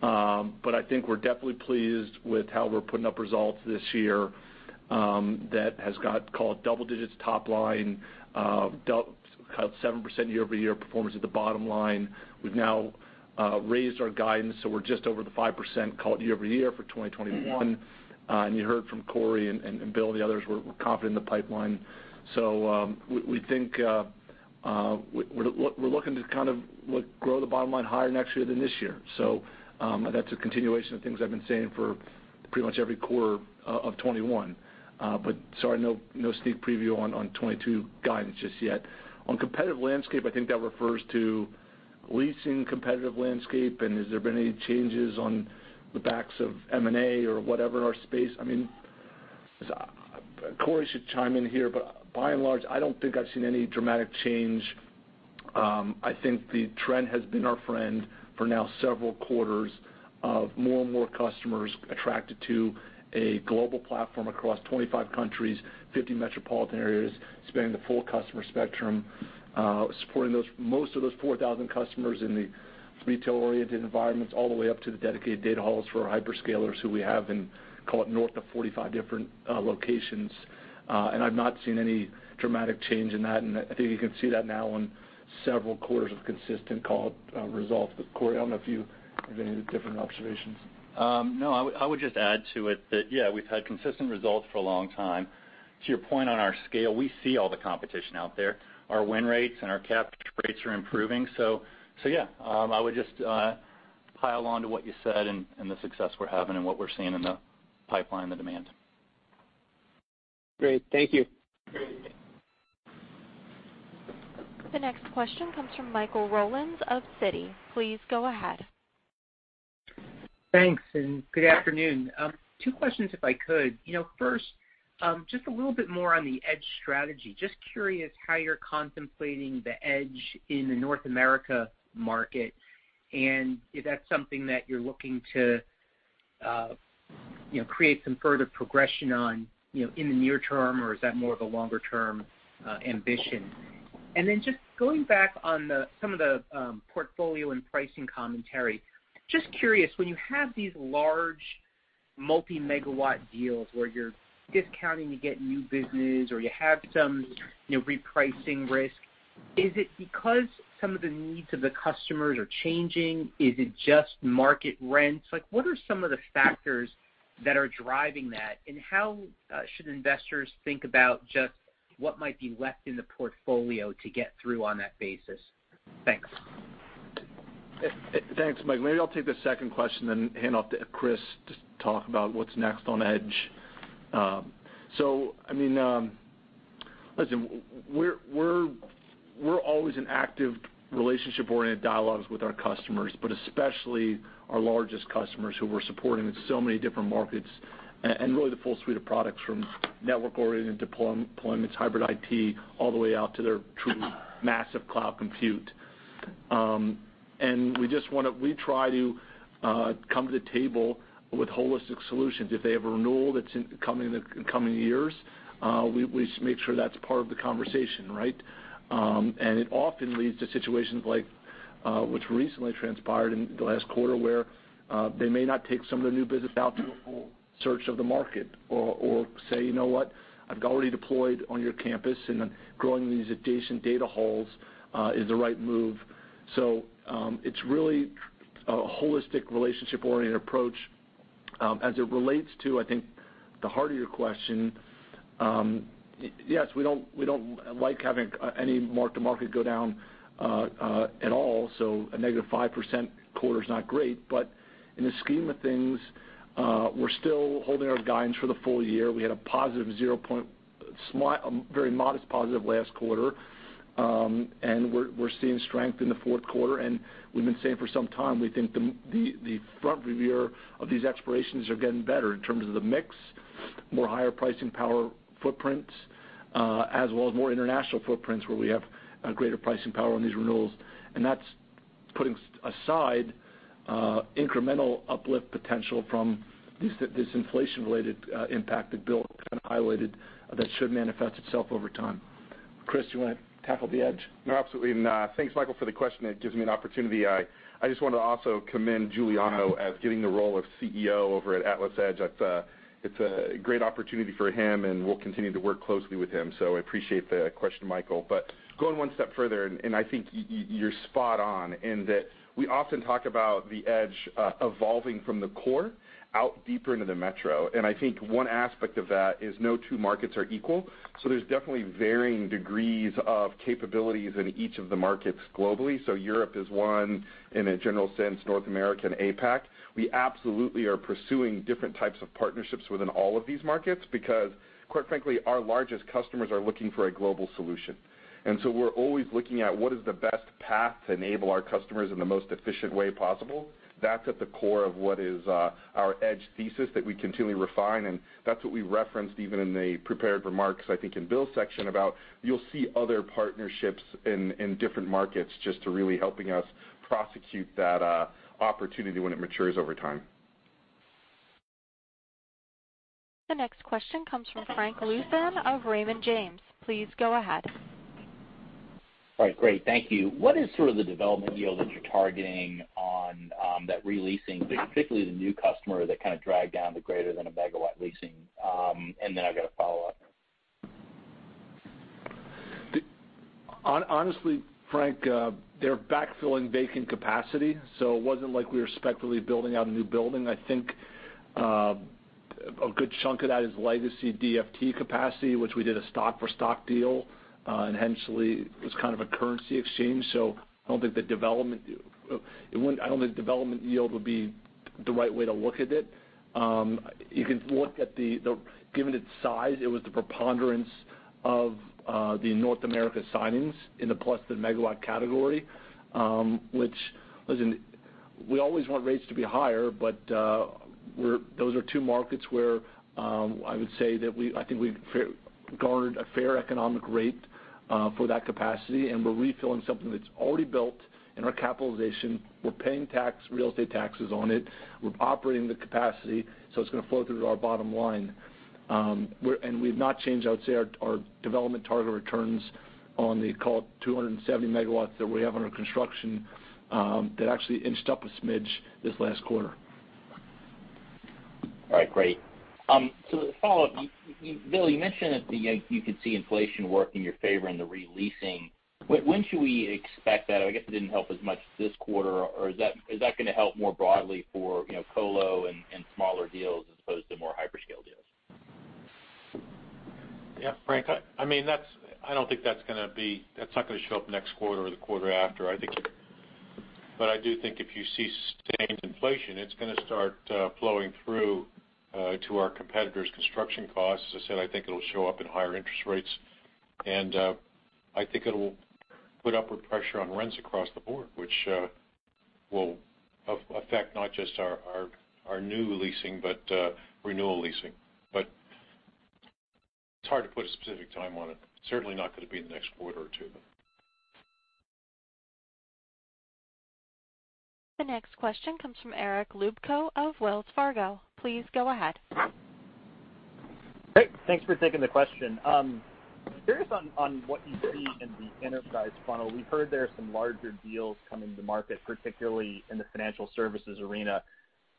But I think we're definitely pleased with how we're putting up results this year that has got double digits top line kind of 7% year-over-year performance at the bottom line. We've now raised our guidance, so we're just over the 5% call it year-over-year for 2021. You heard from Corey and Bill and the others, we're confident in the pipeline. We think we're looking to kind of grow the bottom line higher next year than this year. That's a continuation of things I've been saying for pretty much every quarter of 2021. Sorry, no sneak preview on 2022 guidance just yet. On competitive landscape, I think that refers to leasing competitive landscape, and has there been any changes on the backs of M&A or whatever in our space? I mean, Corey should chime in here, but by and large, I don't think I've seen any dramatic change. I think the trend has been our friend for now several quarters of more and more customers attracted to a global platform across 25 countries, 50 metropolitan areas, spanning the full customer spectrum, supporting most of those 4,000 customers in the retail-oriented environments all the way up to the dedicated data halls for our hyperscalers who we have in, call it, north of 45 different locations. I've not seen any dramatic change in that. I think you can see that now on several quarters of consistent call results. Corey, I don't know if you have any different observations. No. I would just add to it that, yeah, we've had consistent results for a long time. To your point on our scale, we see all the competition out there. Our win rates and our capture rates are improving. So yeah, I would just pile on to what you said and the success we're having and what we're seeing in the pipeline and the demand. Great. Thank you. Great. The next question comes from Michael Rollins of Citi. Please go ahead. Thanks, and good afternoon. Two questions if I could. You know, first, just a little bit more on the edge strategy. Just curious how you're contemplating the edge in the North America market, and if that's something that you're looking to, you know, create some further progression on, you know, in the near term, or is that more of a longer-term ambition? Just going back on some of the portfolio and pricing commentary. Just curious, when you have these large multi-megawatt deals where you're discounting to get new business or you have some, you know, repricing risk, is it because some of the needs of the customers are changing? Is it just market rents? Like, what are some of the factors that are driving that, and how should investors think about just what might be left in the portfolio to get through on that basis? Thanks. Thanks, Mike. Maybe I'll take the second question, then hand off to Chris to talk about what's next on Edge. So, I mean, listen, we're always in active relationship-oriented dialogues with our customers, but especially our largest customers who we're supporting in so many different markets and really the full suite of products from network-oriented deployments, hybrid IT, all the way out to their truly massive cloud compute. And we just try to come to the table with holistic solutions. If they have a renewal that's coming in the coming years, we just make sure that's part of the conversation, right? It often leads to situations like what's recently transpired in the last quarter, where they may not take some of their new business out to a full search of the market or say, "You know what? I've already deployed on your campus, and then growing these adjacent data halls is the right move." It's really a holistic relationship-oriented approach. As it relates to, I think, the heart of your question, yes, we don't like having any mark-to-market go down at all, so a negative 5% quarter is not great. In the scheme of things, we're still holding our guidance for the full year. We had a positive 0.1%, a very modest positive last quarter, and we're seeing strength in the fourth quarter. We've been saying for some time, we think the front end of these expirations are getting better in terms of the mix, more higher pricing power footprints, as well as more international footprints where we have greater pricing power on these renewals. That's putting aside incremental uplift potential from this inflation-related impact that Bill kind of highlighted that should manifest itself over time. Chris, do you wanna tackle the edge? No, absolutely not. Thanks, Michael, for the question. It gives me an opportunity. I just want to also commend Giuliano as getting the role of CEO over at AtlasEdge. That's, it's a great opportunity for him, and we'll continue to work closely with him, so I appreciate the question, Michael. Going one step further, and I think you're spot on in that we often talk about the Edge evolving from the core out deeper into the metro. I think one aspect of that is no two markets are equal, so there's definitely varying degrees of capabilities in each of the markets globally. Europe is one in a general sense, North America and APAC. We absolutely are pursuing different types of partnerships within all of these markets because quite frankly, our largest customers are looking for a global solution. We're always looking at what is the best path to enable our customers in the most efficient way possible. That's at the core of what is our Edge thesis that we continually refine, and that's what we referenced even in the prepared remarks, I think in Bill's section about. You'll see other partnerships in different markets just to really helping us prosecute that opportunity when it matures over time. The next question comes from Frank Louthan of Raymond James. Please go ahead. All right. Great. Thank you. What is sort of the development yield that you're targeting on, that re-leasing, but particularly the new customer that kind of dragged down the greater than a megawatt leasing? I've got a follow-up. Honestly, Frank, they're backfilling vacant capacity, so it wasn't like we were speculatively building out a new building. I think a good chunk of that is legacy DFT capacity, which we did a stock-for-stock deal, and hence, really it was kind of a currency exchange, so I don't think the development yield would be the right way to look at it. You can look at it. Given its size, it was the preponderance of the North America signings in the plus megawatt category, which, listen, we always want rates to be higher, but those are two markets where I would say that I think we've garnered a fair economic rate for that capacity, and we're refilling something that's already built in our capitalization. We're paying tax, real estate taxes on it. We're operating the capacity, so it's gonna flow through to our bottom line. We've not changed, I would say, our development target returns on the, call it, 270 MW that we have under construction, that actually inched up a smidge this last quarter. All right, great. So to follow up, Bill, you mentioned that you could see inflation work in your favor in the re-leasing. When should we expect that? I guess it didn't help as much this quarter or is that gonna help more broadly for, you know, colo and smaller deals as opposed to more hyperscale deals? Yeah, Frank, I mean, I don't think that's gonna show up next quarter or the quarter after. I do think if you see sustained inflation, it's gonna start flowing through to our competitors' construction costs. As I said, I think it'll show up in higher interest rates. I think it'll put upward pressure on rents across the board, which will affect not just our new leasing but renewal leasing. It's hard to put a specific time on it. Certainly not gonna be in the next quarter or two. The next question comes from Eric Luebchow of Wells Fargo. Please go ahead. Great. Thanks for taking the question. Curious on what you see in the enterprise funnel. We've heard there are some larger deals coming to market, particularly in the financial services arena.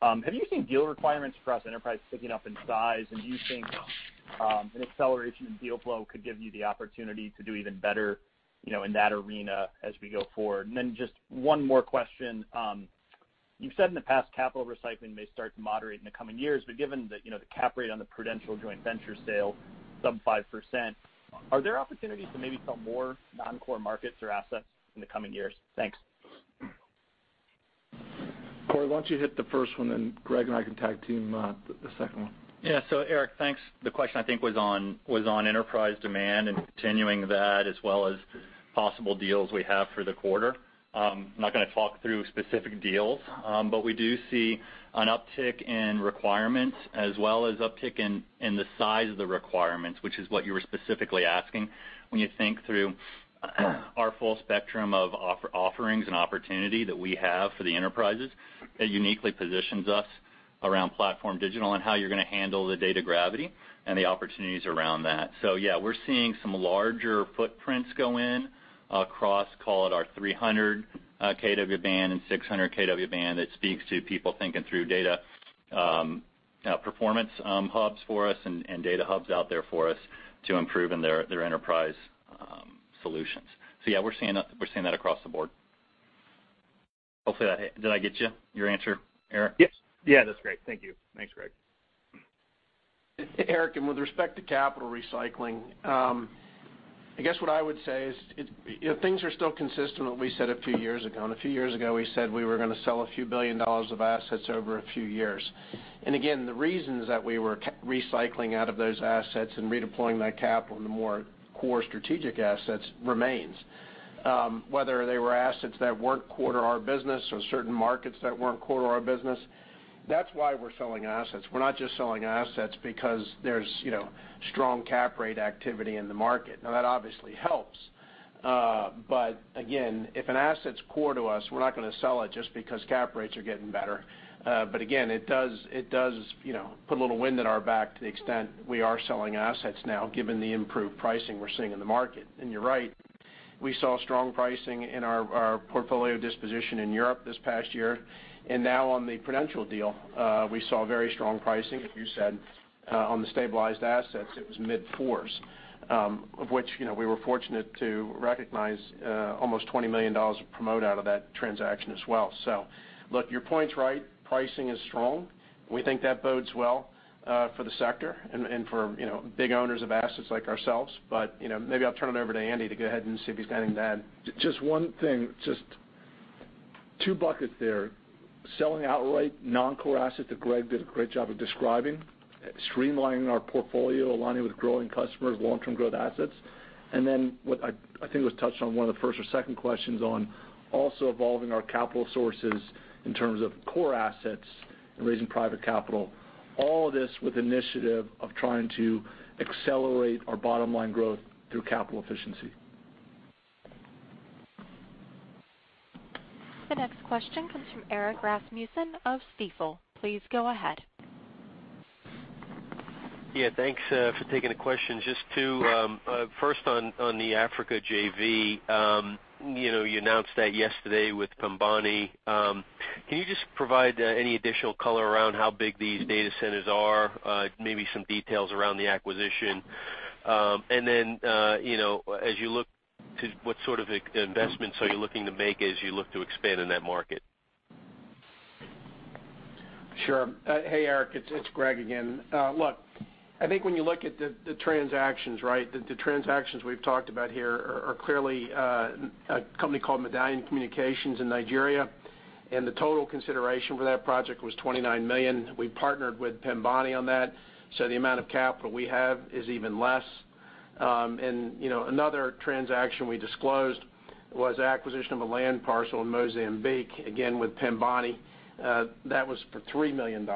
Have you seen deal requirements for U.S. enterprise picking up in size? And do you think an acceleration in deal flow could give you the opportunity to do even better, you know, in that arena as we go forward? Just one more question. You've said in the past, capital recycling may start to moderate in the coming years, but given that, you know, the cap rate on the Prudential joint venture sale sub 5%, are there opportunities to maybe sell more non-core markets or assets in the coming years? Thanks. Corey, why don't you hit the first one, then Greg and I can tag team the second one. Eric, thanks. The question, I think, was on enterprise demand and continuing that as well as possible deals we have for the quarter. I'm not gonna talk through specific deals, but we do see an uptick in requirements as well as uptick in the size of the requirements, which is what you were specifically asking. When you think through our full spectrum of offerings and opportunity that we have for the enterprises, it uniquely positions us around PlatformDIGITAL and how you're gonna handle the data gravity and the opportunities around that. We're seeing some larger footprints go in across, call it our 300 kW band and 600 kW band that speaks to people thinking through data performance hubs for us and data hubs out there for us to improve in their enterprise solutions. We're seeing that across the board. Hopefully, that did I get you your answer, Eric? Yes. Yeah, that's great. Thank you. Thanks, Greg. Eric, with respect to capital recycling, I guess what I would say is, you know things are still consistent with what we said a few years ago. A few years ago, we said we were gonna sell a few billion dollars of assets over a few years. Again, the reasons that we were recycling out of those assets and redeploying that capital into more core strategic assets remains. Whether they were assets that weren't core to our business or certain markets that weren't core to our business, that's why we're selling assets. We're not just selling assets because there's, you know, strong cap rate activity in the market. Now, that obviously helps. But again, if an asset's core to us, we're not gonna sell it just because cap rates are getting better. Again, it does, you know, put a little wind at our back to the extent we are selling assets now given the improved pricing we're seeing in the market. You're right, we saw strong pricing in our portfolio disposition in Europe this past year. Now on the Prudential deal, we saw very strong pricing, as you said, on the stabilized assets, it was mid-fours, of which, you know, we were fortunate to recognize almost $20 million of promote out of that transaction as well. Look, your point's right, pricing is strong. We think that bodes well for the sector and for, you know, big owners of assets like ourselves. You know, maybe I'll turn it over to Andy to go ahead and see if he's got anything to add. Just one thing, just two buckets there. Selling outright non-core assets that Greg did a great job of describing, streamlining our portfolio, aligning with growing customers, long-term growth assets. What I think it was touched on one of the first or second questions on also evolving our capital sources in terms of core assets and raising private capital, all of this with initiative of trying to accelerate our bottom-line growth through capital efficiency. The next question comes from Erik Rasmussen of Stifel. Please go ahead. Yeah. Thanks for taking the question. First on the Africa JV, you know, you announced that yesterday with Pembani Remgro. Can you just provide any additional color around how big these data centers are, maybe some details around the acquisition? You know, as you look to what sort of investments are you looking to make as you look to expand in that market? Sure. Hey, Eric, it's Greg again. Look, I think when you look at the transactions, right? The transactions we've talked about here are clearly a company called Medallion Communications in Nigeria, and the total consideration for that project was $29 million. We partnered with Pembani on that, so the amount of capital we have is even less. You know, another transaction we disclosed was the acquisition of a land parcel in Mozambique, again, with Pembani. That was for $3 million.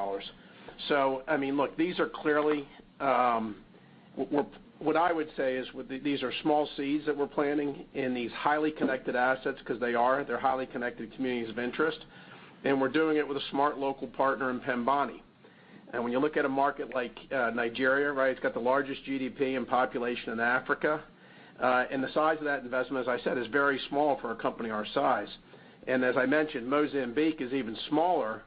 I mean, look, these are clearly what I would say is these are small seeds that we're planting in these highly connected assets because they're highly connected communities of interest, and we're doing it with a smart local partner in Pembani. When you look at a market like Nigeria, right, it's got the largest GDP and population in Africa. The size of that investment, as I said, is very small for a company our size. As I mentioned, Mozambique is even smaller,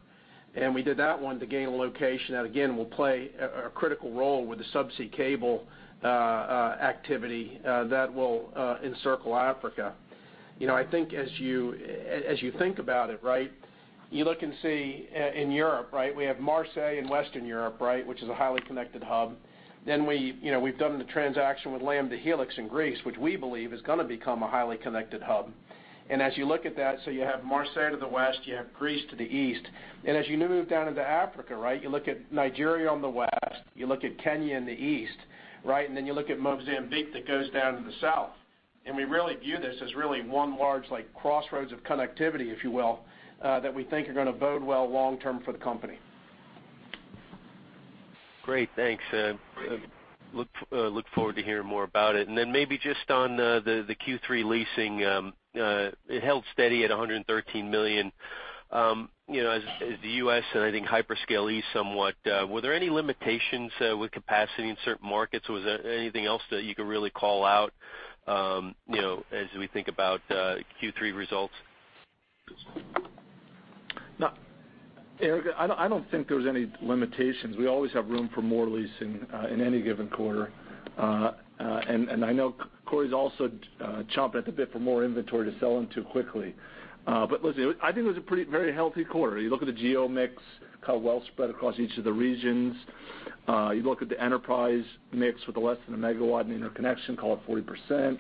and we did that one to gain a location that again will play a critical role with the subsea cable activity that will encircle Africa. You know, I think as you think about it, right, you look and see in Europe, right? We have Marseille in Western Europe, right, which is a highly connected hub. Then we, you know, we've done the transaction with Lamda Hellix in Greece, which we believe is gonna become a highly connected hub. As you look at that, so you have Marseille to the west, you have Greece to the east. As you move down into Africa, right, you look at Nigeria on the west, you look at Kenya in the east, right, and then you look at Mozambique that goes down to the south. We really view this as really one large like crossroads of connectivity, if you will, that we think are gonna bode well long term for the company. Great. Thanks. Look forward to hearing more about it. Then maybe just on the Q3 leasing, it held steady at $113 million. You know, as the U.S. and I think hyperscale eased somewhat, were there any limitations with capacity in certain markets? Was there anything else that you could really call out, you know, as we think about Q3 results? No. Eric, I don't think there was any limitations. We always have room for more leasing in any given quarter. I know Corey's also champing at the bit for more inventory to sell into quickly. Listen, I think it was a pretty very healthy quarter. You look at the geo mix, kind of well spread across each of the regions. You look at the enterprise mix with less than a megawatt interconnection, call it 40%.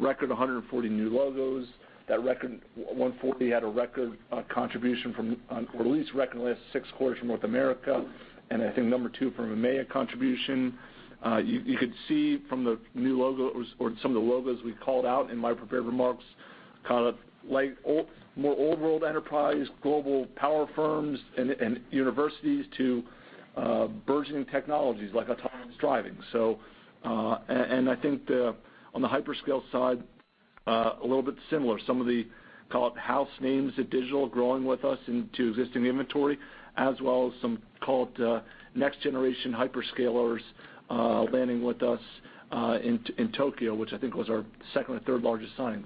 Record 140 new logos. That record 140 had a record contribution from our leasing record in the last six quarters from North America, and I think number two from EMEA contribution. You could see from the new logos or some of the logos we called out in my prepared remarks, kind of like old, more old world enterprise, global power firms and universities to burgeoning technologies like autonomous driving. I think on the hyperscale side, a little bit similar. Some of the call it house names of digital growing with us into existing inventory, as well as some call it next generation hyperscalers landing with us in Tokyo, which I think was our second or third largest signing.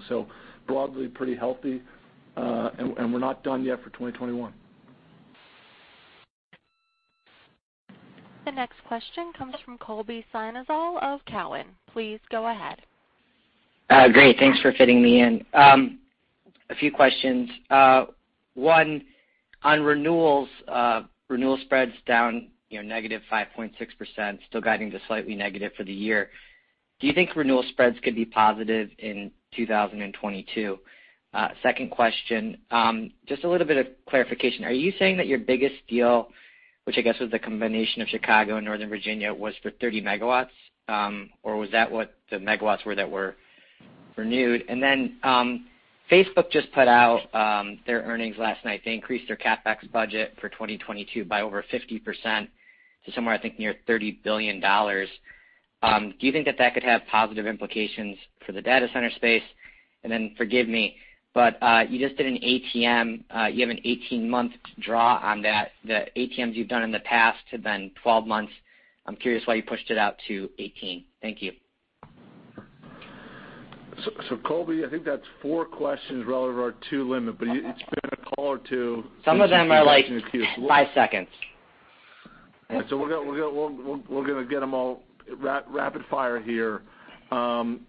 Broadly pretty healthy, and we're not done yet for 2021. The next question comes from Colby Synesael of Cowen. Please go ahead. Great, thanks for fitting me in. A few questions. One on renewals. Renewal spreads down, you know, negative 5.6%, still guiding to slightly negative for the year. Do you think renewal spreads could be positive in 2022? Second question, just a little bit of clarification. Are you saying that your biggest deal, which I guess was the combination of Chicago and Northern Virginia, was for 30 MW? Or was that what the megawatts were that were renewed? Facebook just put out their earnings last night. They increased their CapEx budget for 2022 by over 50% to somewhere I think near $30 billion. Do you think that that could have positive implications for the data center space? Forgive me, but you just did an ATM. You have an 18-month draw on that. The ATMs you've done in the past have been 12 months. I'm curious why you pushed it out to 18. Thank you. Colby, I think that's four questions relevant to our two limit, but it's been a call or two. Some of them are like five seconds. We're gonna get them all rapid fire here. Listen,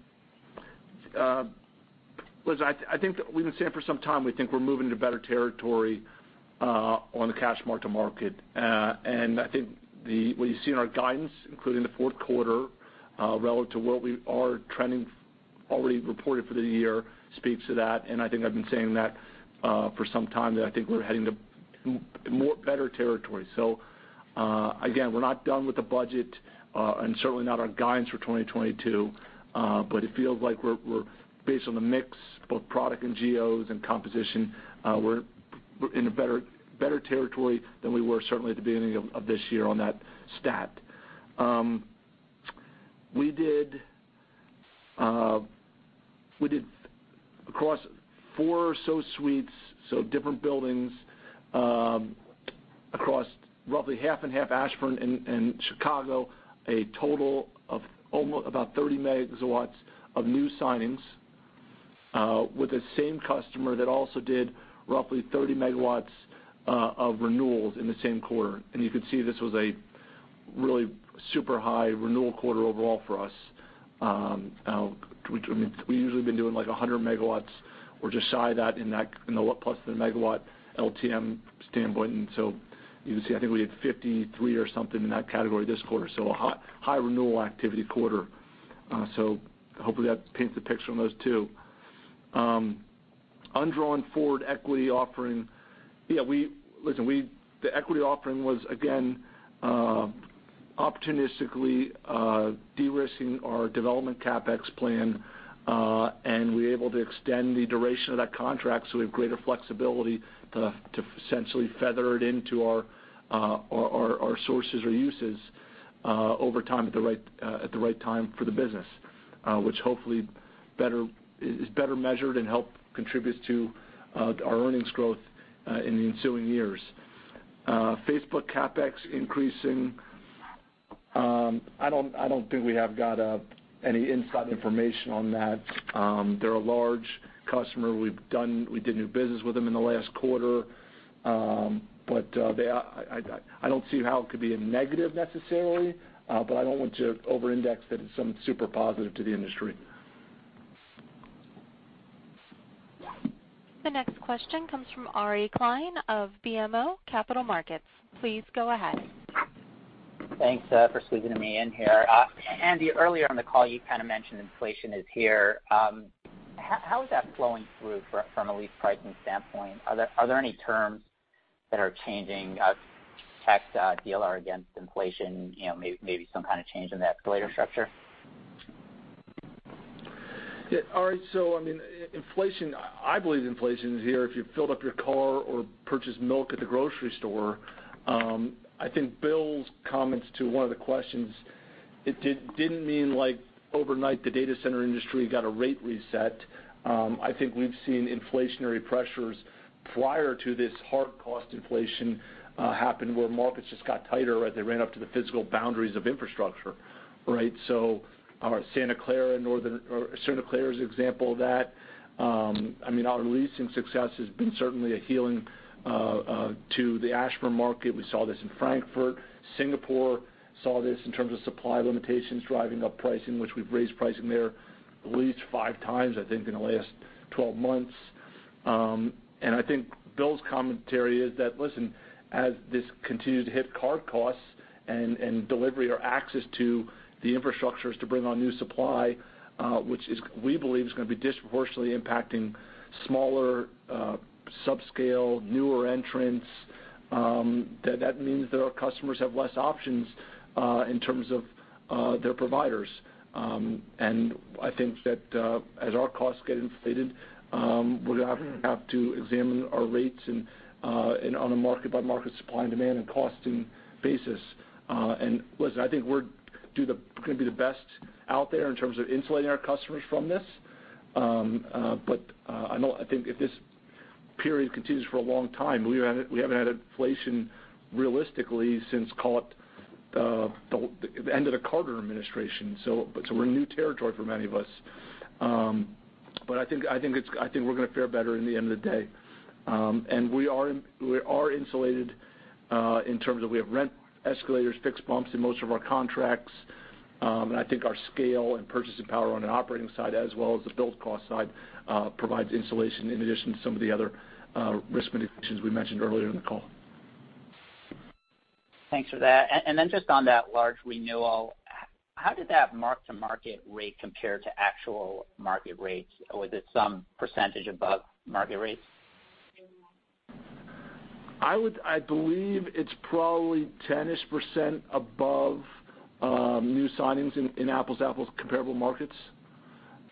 I think that we've been saying for some time, we think we're moving to better territory on the cash mark-to-market. I think what you see in our guidance, including the fourth quarter, relative to what we are trending already reported for the year speaks to that, and I think I've been saying that for some time, that I think we're heading to more better territory. Again, we're not done with the budget and certainly not our guidance for 2022. It feels like we're based on the mix, both product and geos and composition, we're in a better territory than we were certainly at the beginning of this year on that stat. We did across four suites, so different buildings, across roughly half and half Ashburn and Chicago, a total of about 30 MW of new signings with the same customer that also did roughly 30 MW of renewals in the same quarter. You could see this was a really super high renewal quarter overall for us. We usually been doing like 100 MW or just shy that in that, in the plus the megawatt LTM standpoint. You can see, I think we had 53 or something in that category this quarter. A high renewal activity quarter. Hopefully that paints the picture on those two. Undrawn forward equity offering. The equity offering was again opportunistically de-risking our development CapEx plan, and we're able to extend the duration of that contract, so we have greater flexibility to essentially feather it into our sources or uses over time at the right time for the business, which hopefully is better measured and helps contribute to our earnings growth in the ensuing years. Facebook CapEx increasing. I don't think we have got any inside information on that. They're a large customer. We did new business with them in the last quarter. I don't see how it could be a negative necessarily, but I don't want to over-index that it's something super positive to the industry. The next question comes from Ari Klein of BMO Capital Markets. Please go ahead. Thanks for squeezing me in here. Andy, earlier on the call, you kind of mentioned inflation is here. How is that flowing through from a lease pricing standpoint? Are there any terms that are changing tied DLR against inflation? You know, maybe some kind of change in the escalator structure? Yeah. All right. I mean, inflation—I believe inflation is here. If you filled up your car or purchased milk at the grocery store, I think Bill's comments to one of the questions didn't mean like overnight the data center industry got a rate reset. I think we've seen inflationary pressures prior to this hard cost inflation happen where markets just got tighter or they ran up to the physical boundaries of infrastructure, right? Our Santa Clara in Northern—or Santa Clara is an example of that. I mean, our leasing success has been certainly a healing to the Ashburn market. We saw this in Frankfurt. Singapore saw this in terms of supply limitations driving up pricing, which we've raised pricing there at least 5x, I think, in the last 12 months. I think Bill's commentary is that, listen, as this continues to hit hard costs and delivery or access to the infrastructure to bring on new supply, which we believe is gonna be disproportionately impacting smaller, subscale, newer entrants, that means that our customers have fewer options in terms of their providers. I think that as our costs get inflated, we're gonna have to examine our rates and on a market by market supply and demand and costing basis. Listen, I think we're gonna be the best out there in terms of insulating our customers from this. I think if this period continues for a long time, we haven't had inflation realistically since, call it, the end of the Carter administration. We're in new territory for many of us. I think we're gonna fare better at the end of the day. We are insulated in terms of we have rent escalators, fixed bumps in most of our contracts. I think our scale and purchasing power on an operating side as well as the build cost side provides insulation in addition to some of the other risk mitigations we mentioned earlier in the call. Thanks for that. Just on that large renewal, how did that mark-to-market rate compare to actual market rates? Or was it some percentage above market rates? I believe it's probably 10-ish% above new signings in apples-to-apples comparable markets.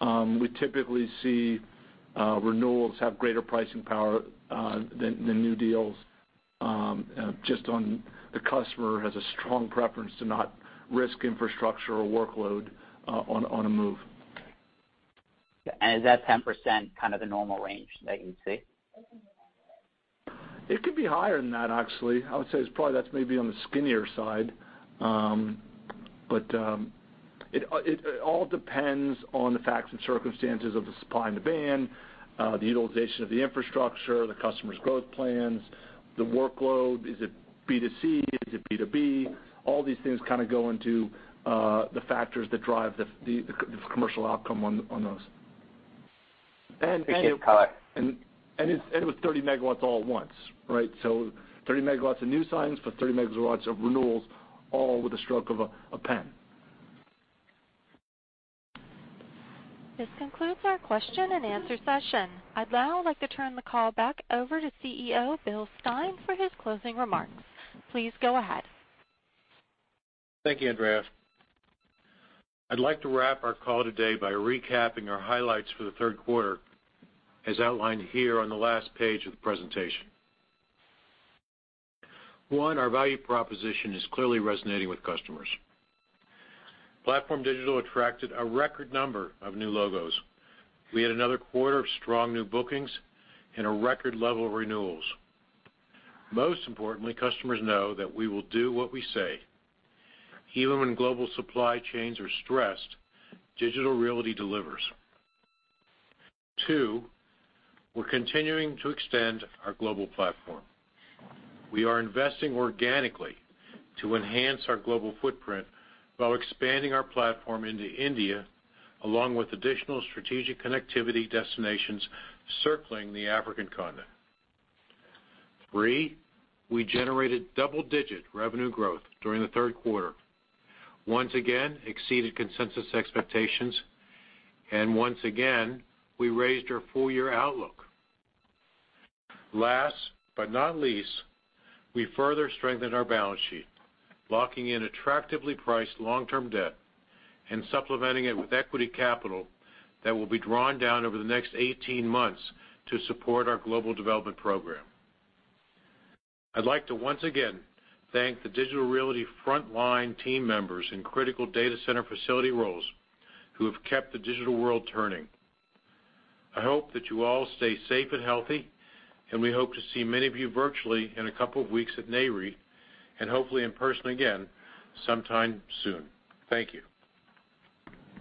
We typically see renewals have greater pricing power than new deals just on the customer has a strong preference to not risk infrastructure or workload on a move. Is that 10% kind of the normal range that you'd see? It could be higher than that, actually. I would say it's probably that's maybe on the skinnier side. It all depends on the facts and circumstances of the supply and demand, the utilization of the infrastructure, the customer's growth plans, the workload, is it B2C, is it B2B? All these things kind of go into the factors that drive the commercial outcome on those. Appreciate the color. It was 30 MW all at once, right? 30 MW of new signings, but 30 MW of renewals, all with the stroke of a pen. This concludes our question and answer session. I'd now like to turn the call back over to CEO Bill Stein for his closing remarks. Please go ahead. Thank you, Andrea. I'd like to wrap our call today by recapping our highlights for the third quarter as outlined here on the last page of the presentation. One, our value proposition is clearly resonating with customers. PlatformDIGITAL attracted a record number of new logos. We had another quarter of strong new bookings and a record level of renewals. Most importantly, customers know that we will do what we say. Even when global supply chains are stressed, Digital Realty delivers. Two, we're continuing to extend our global platform. We are investing organically to enhance our global footprint while expanding our platform into India, along with additional strategic connectivity destinations circling the African continent. Three, we generated double-digit revenue growth during the third quarter, once again exceeded consensus expectations, and once again, we raised our full year outlook. Last, but not least, we further strengthened our balance sheet, locking in attractively priced long-term debt and supplementing it with equity capital that will be drawn down over the next 18 months to support our global development program. I'd like to once again thank the Digital Realty frontline team members in critical data center facility roles who have kept the digital world turning. I hope that you all stay safe and healthy, and we hope to see many of you virtually in a couple of weeks at Nareit, and hopefully in person again sometime soon. Thank you.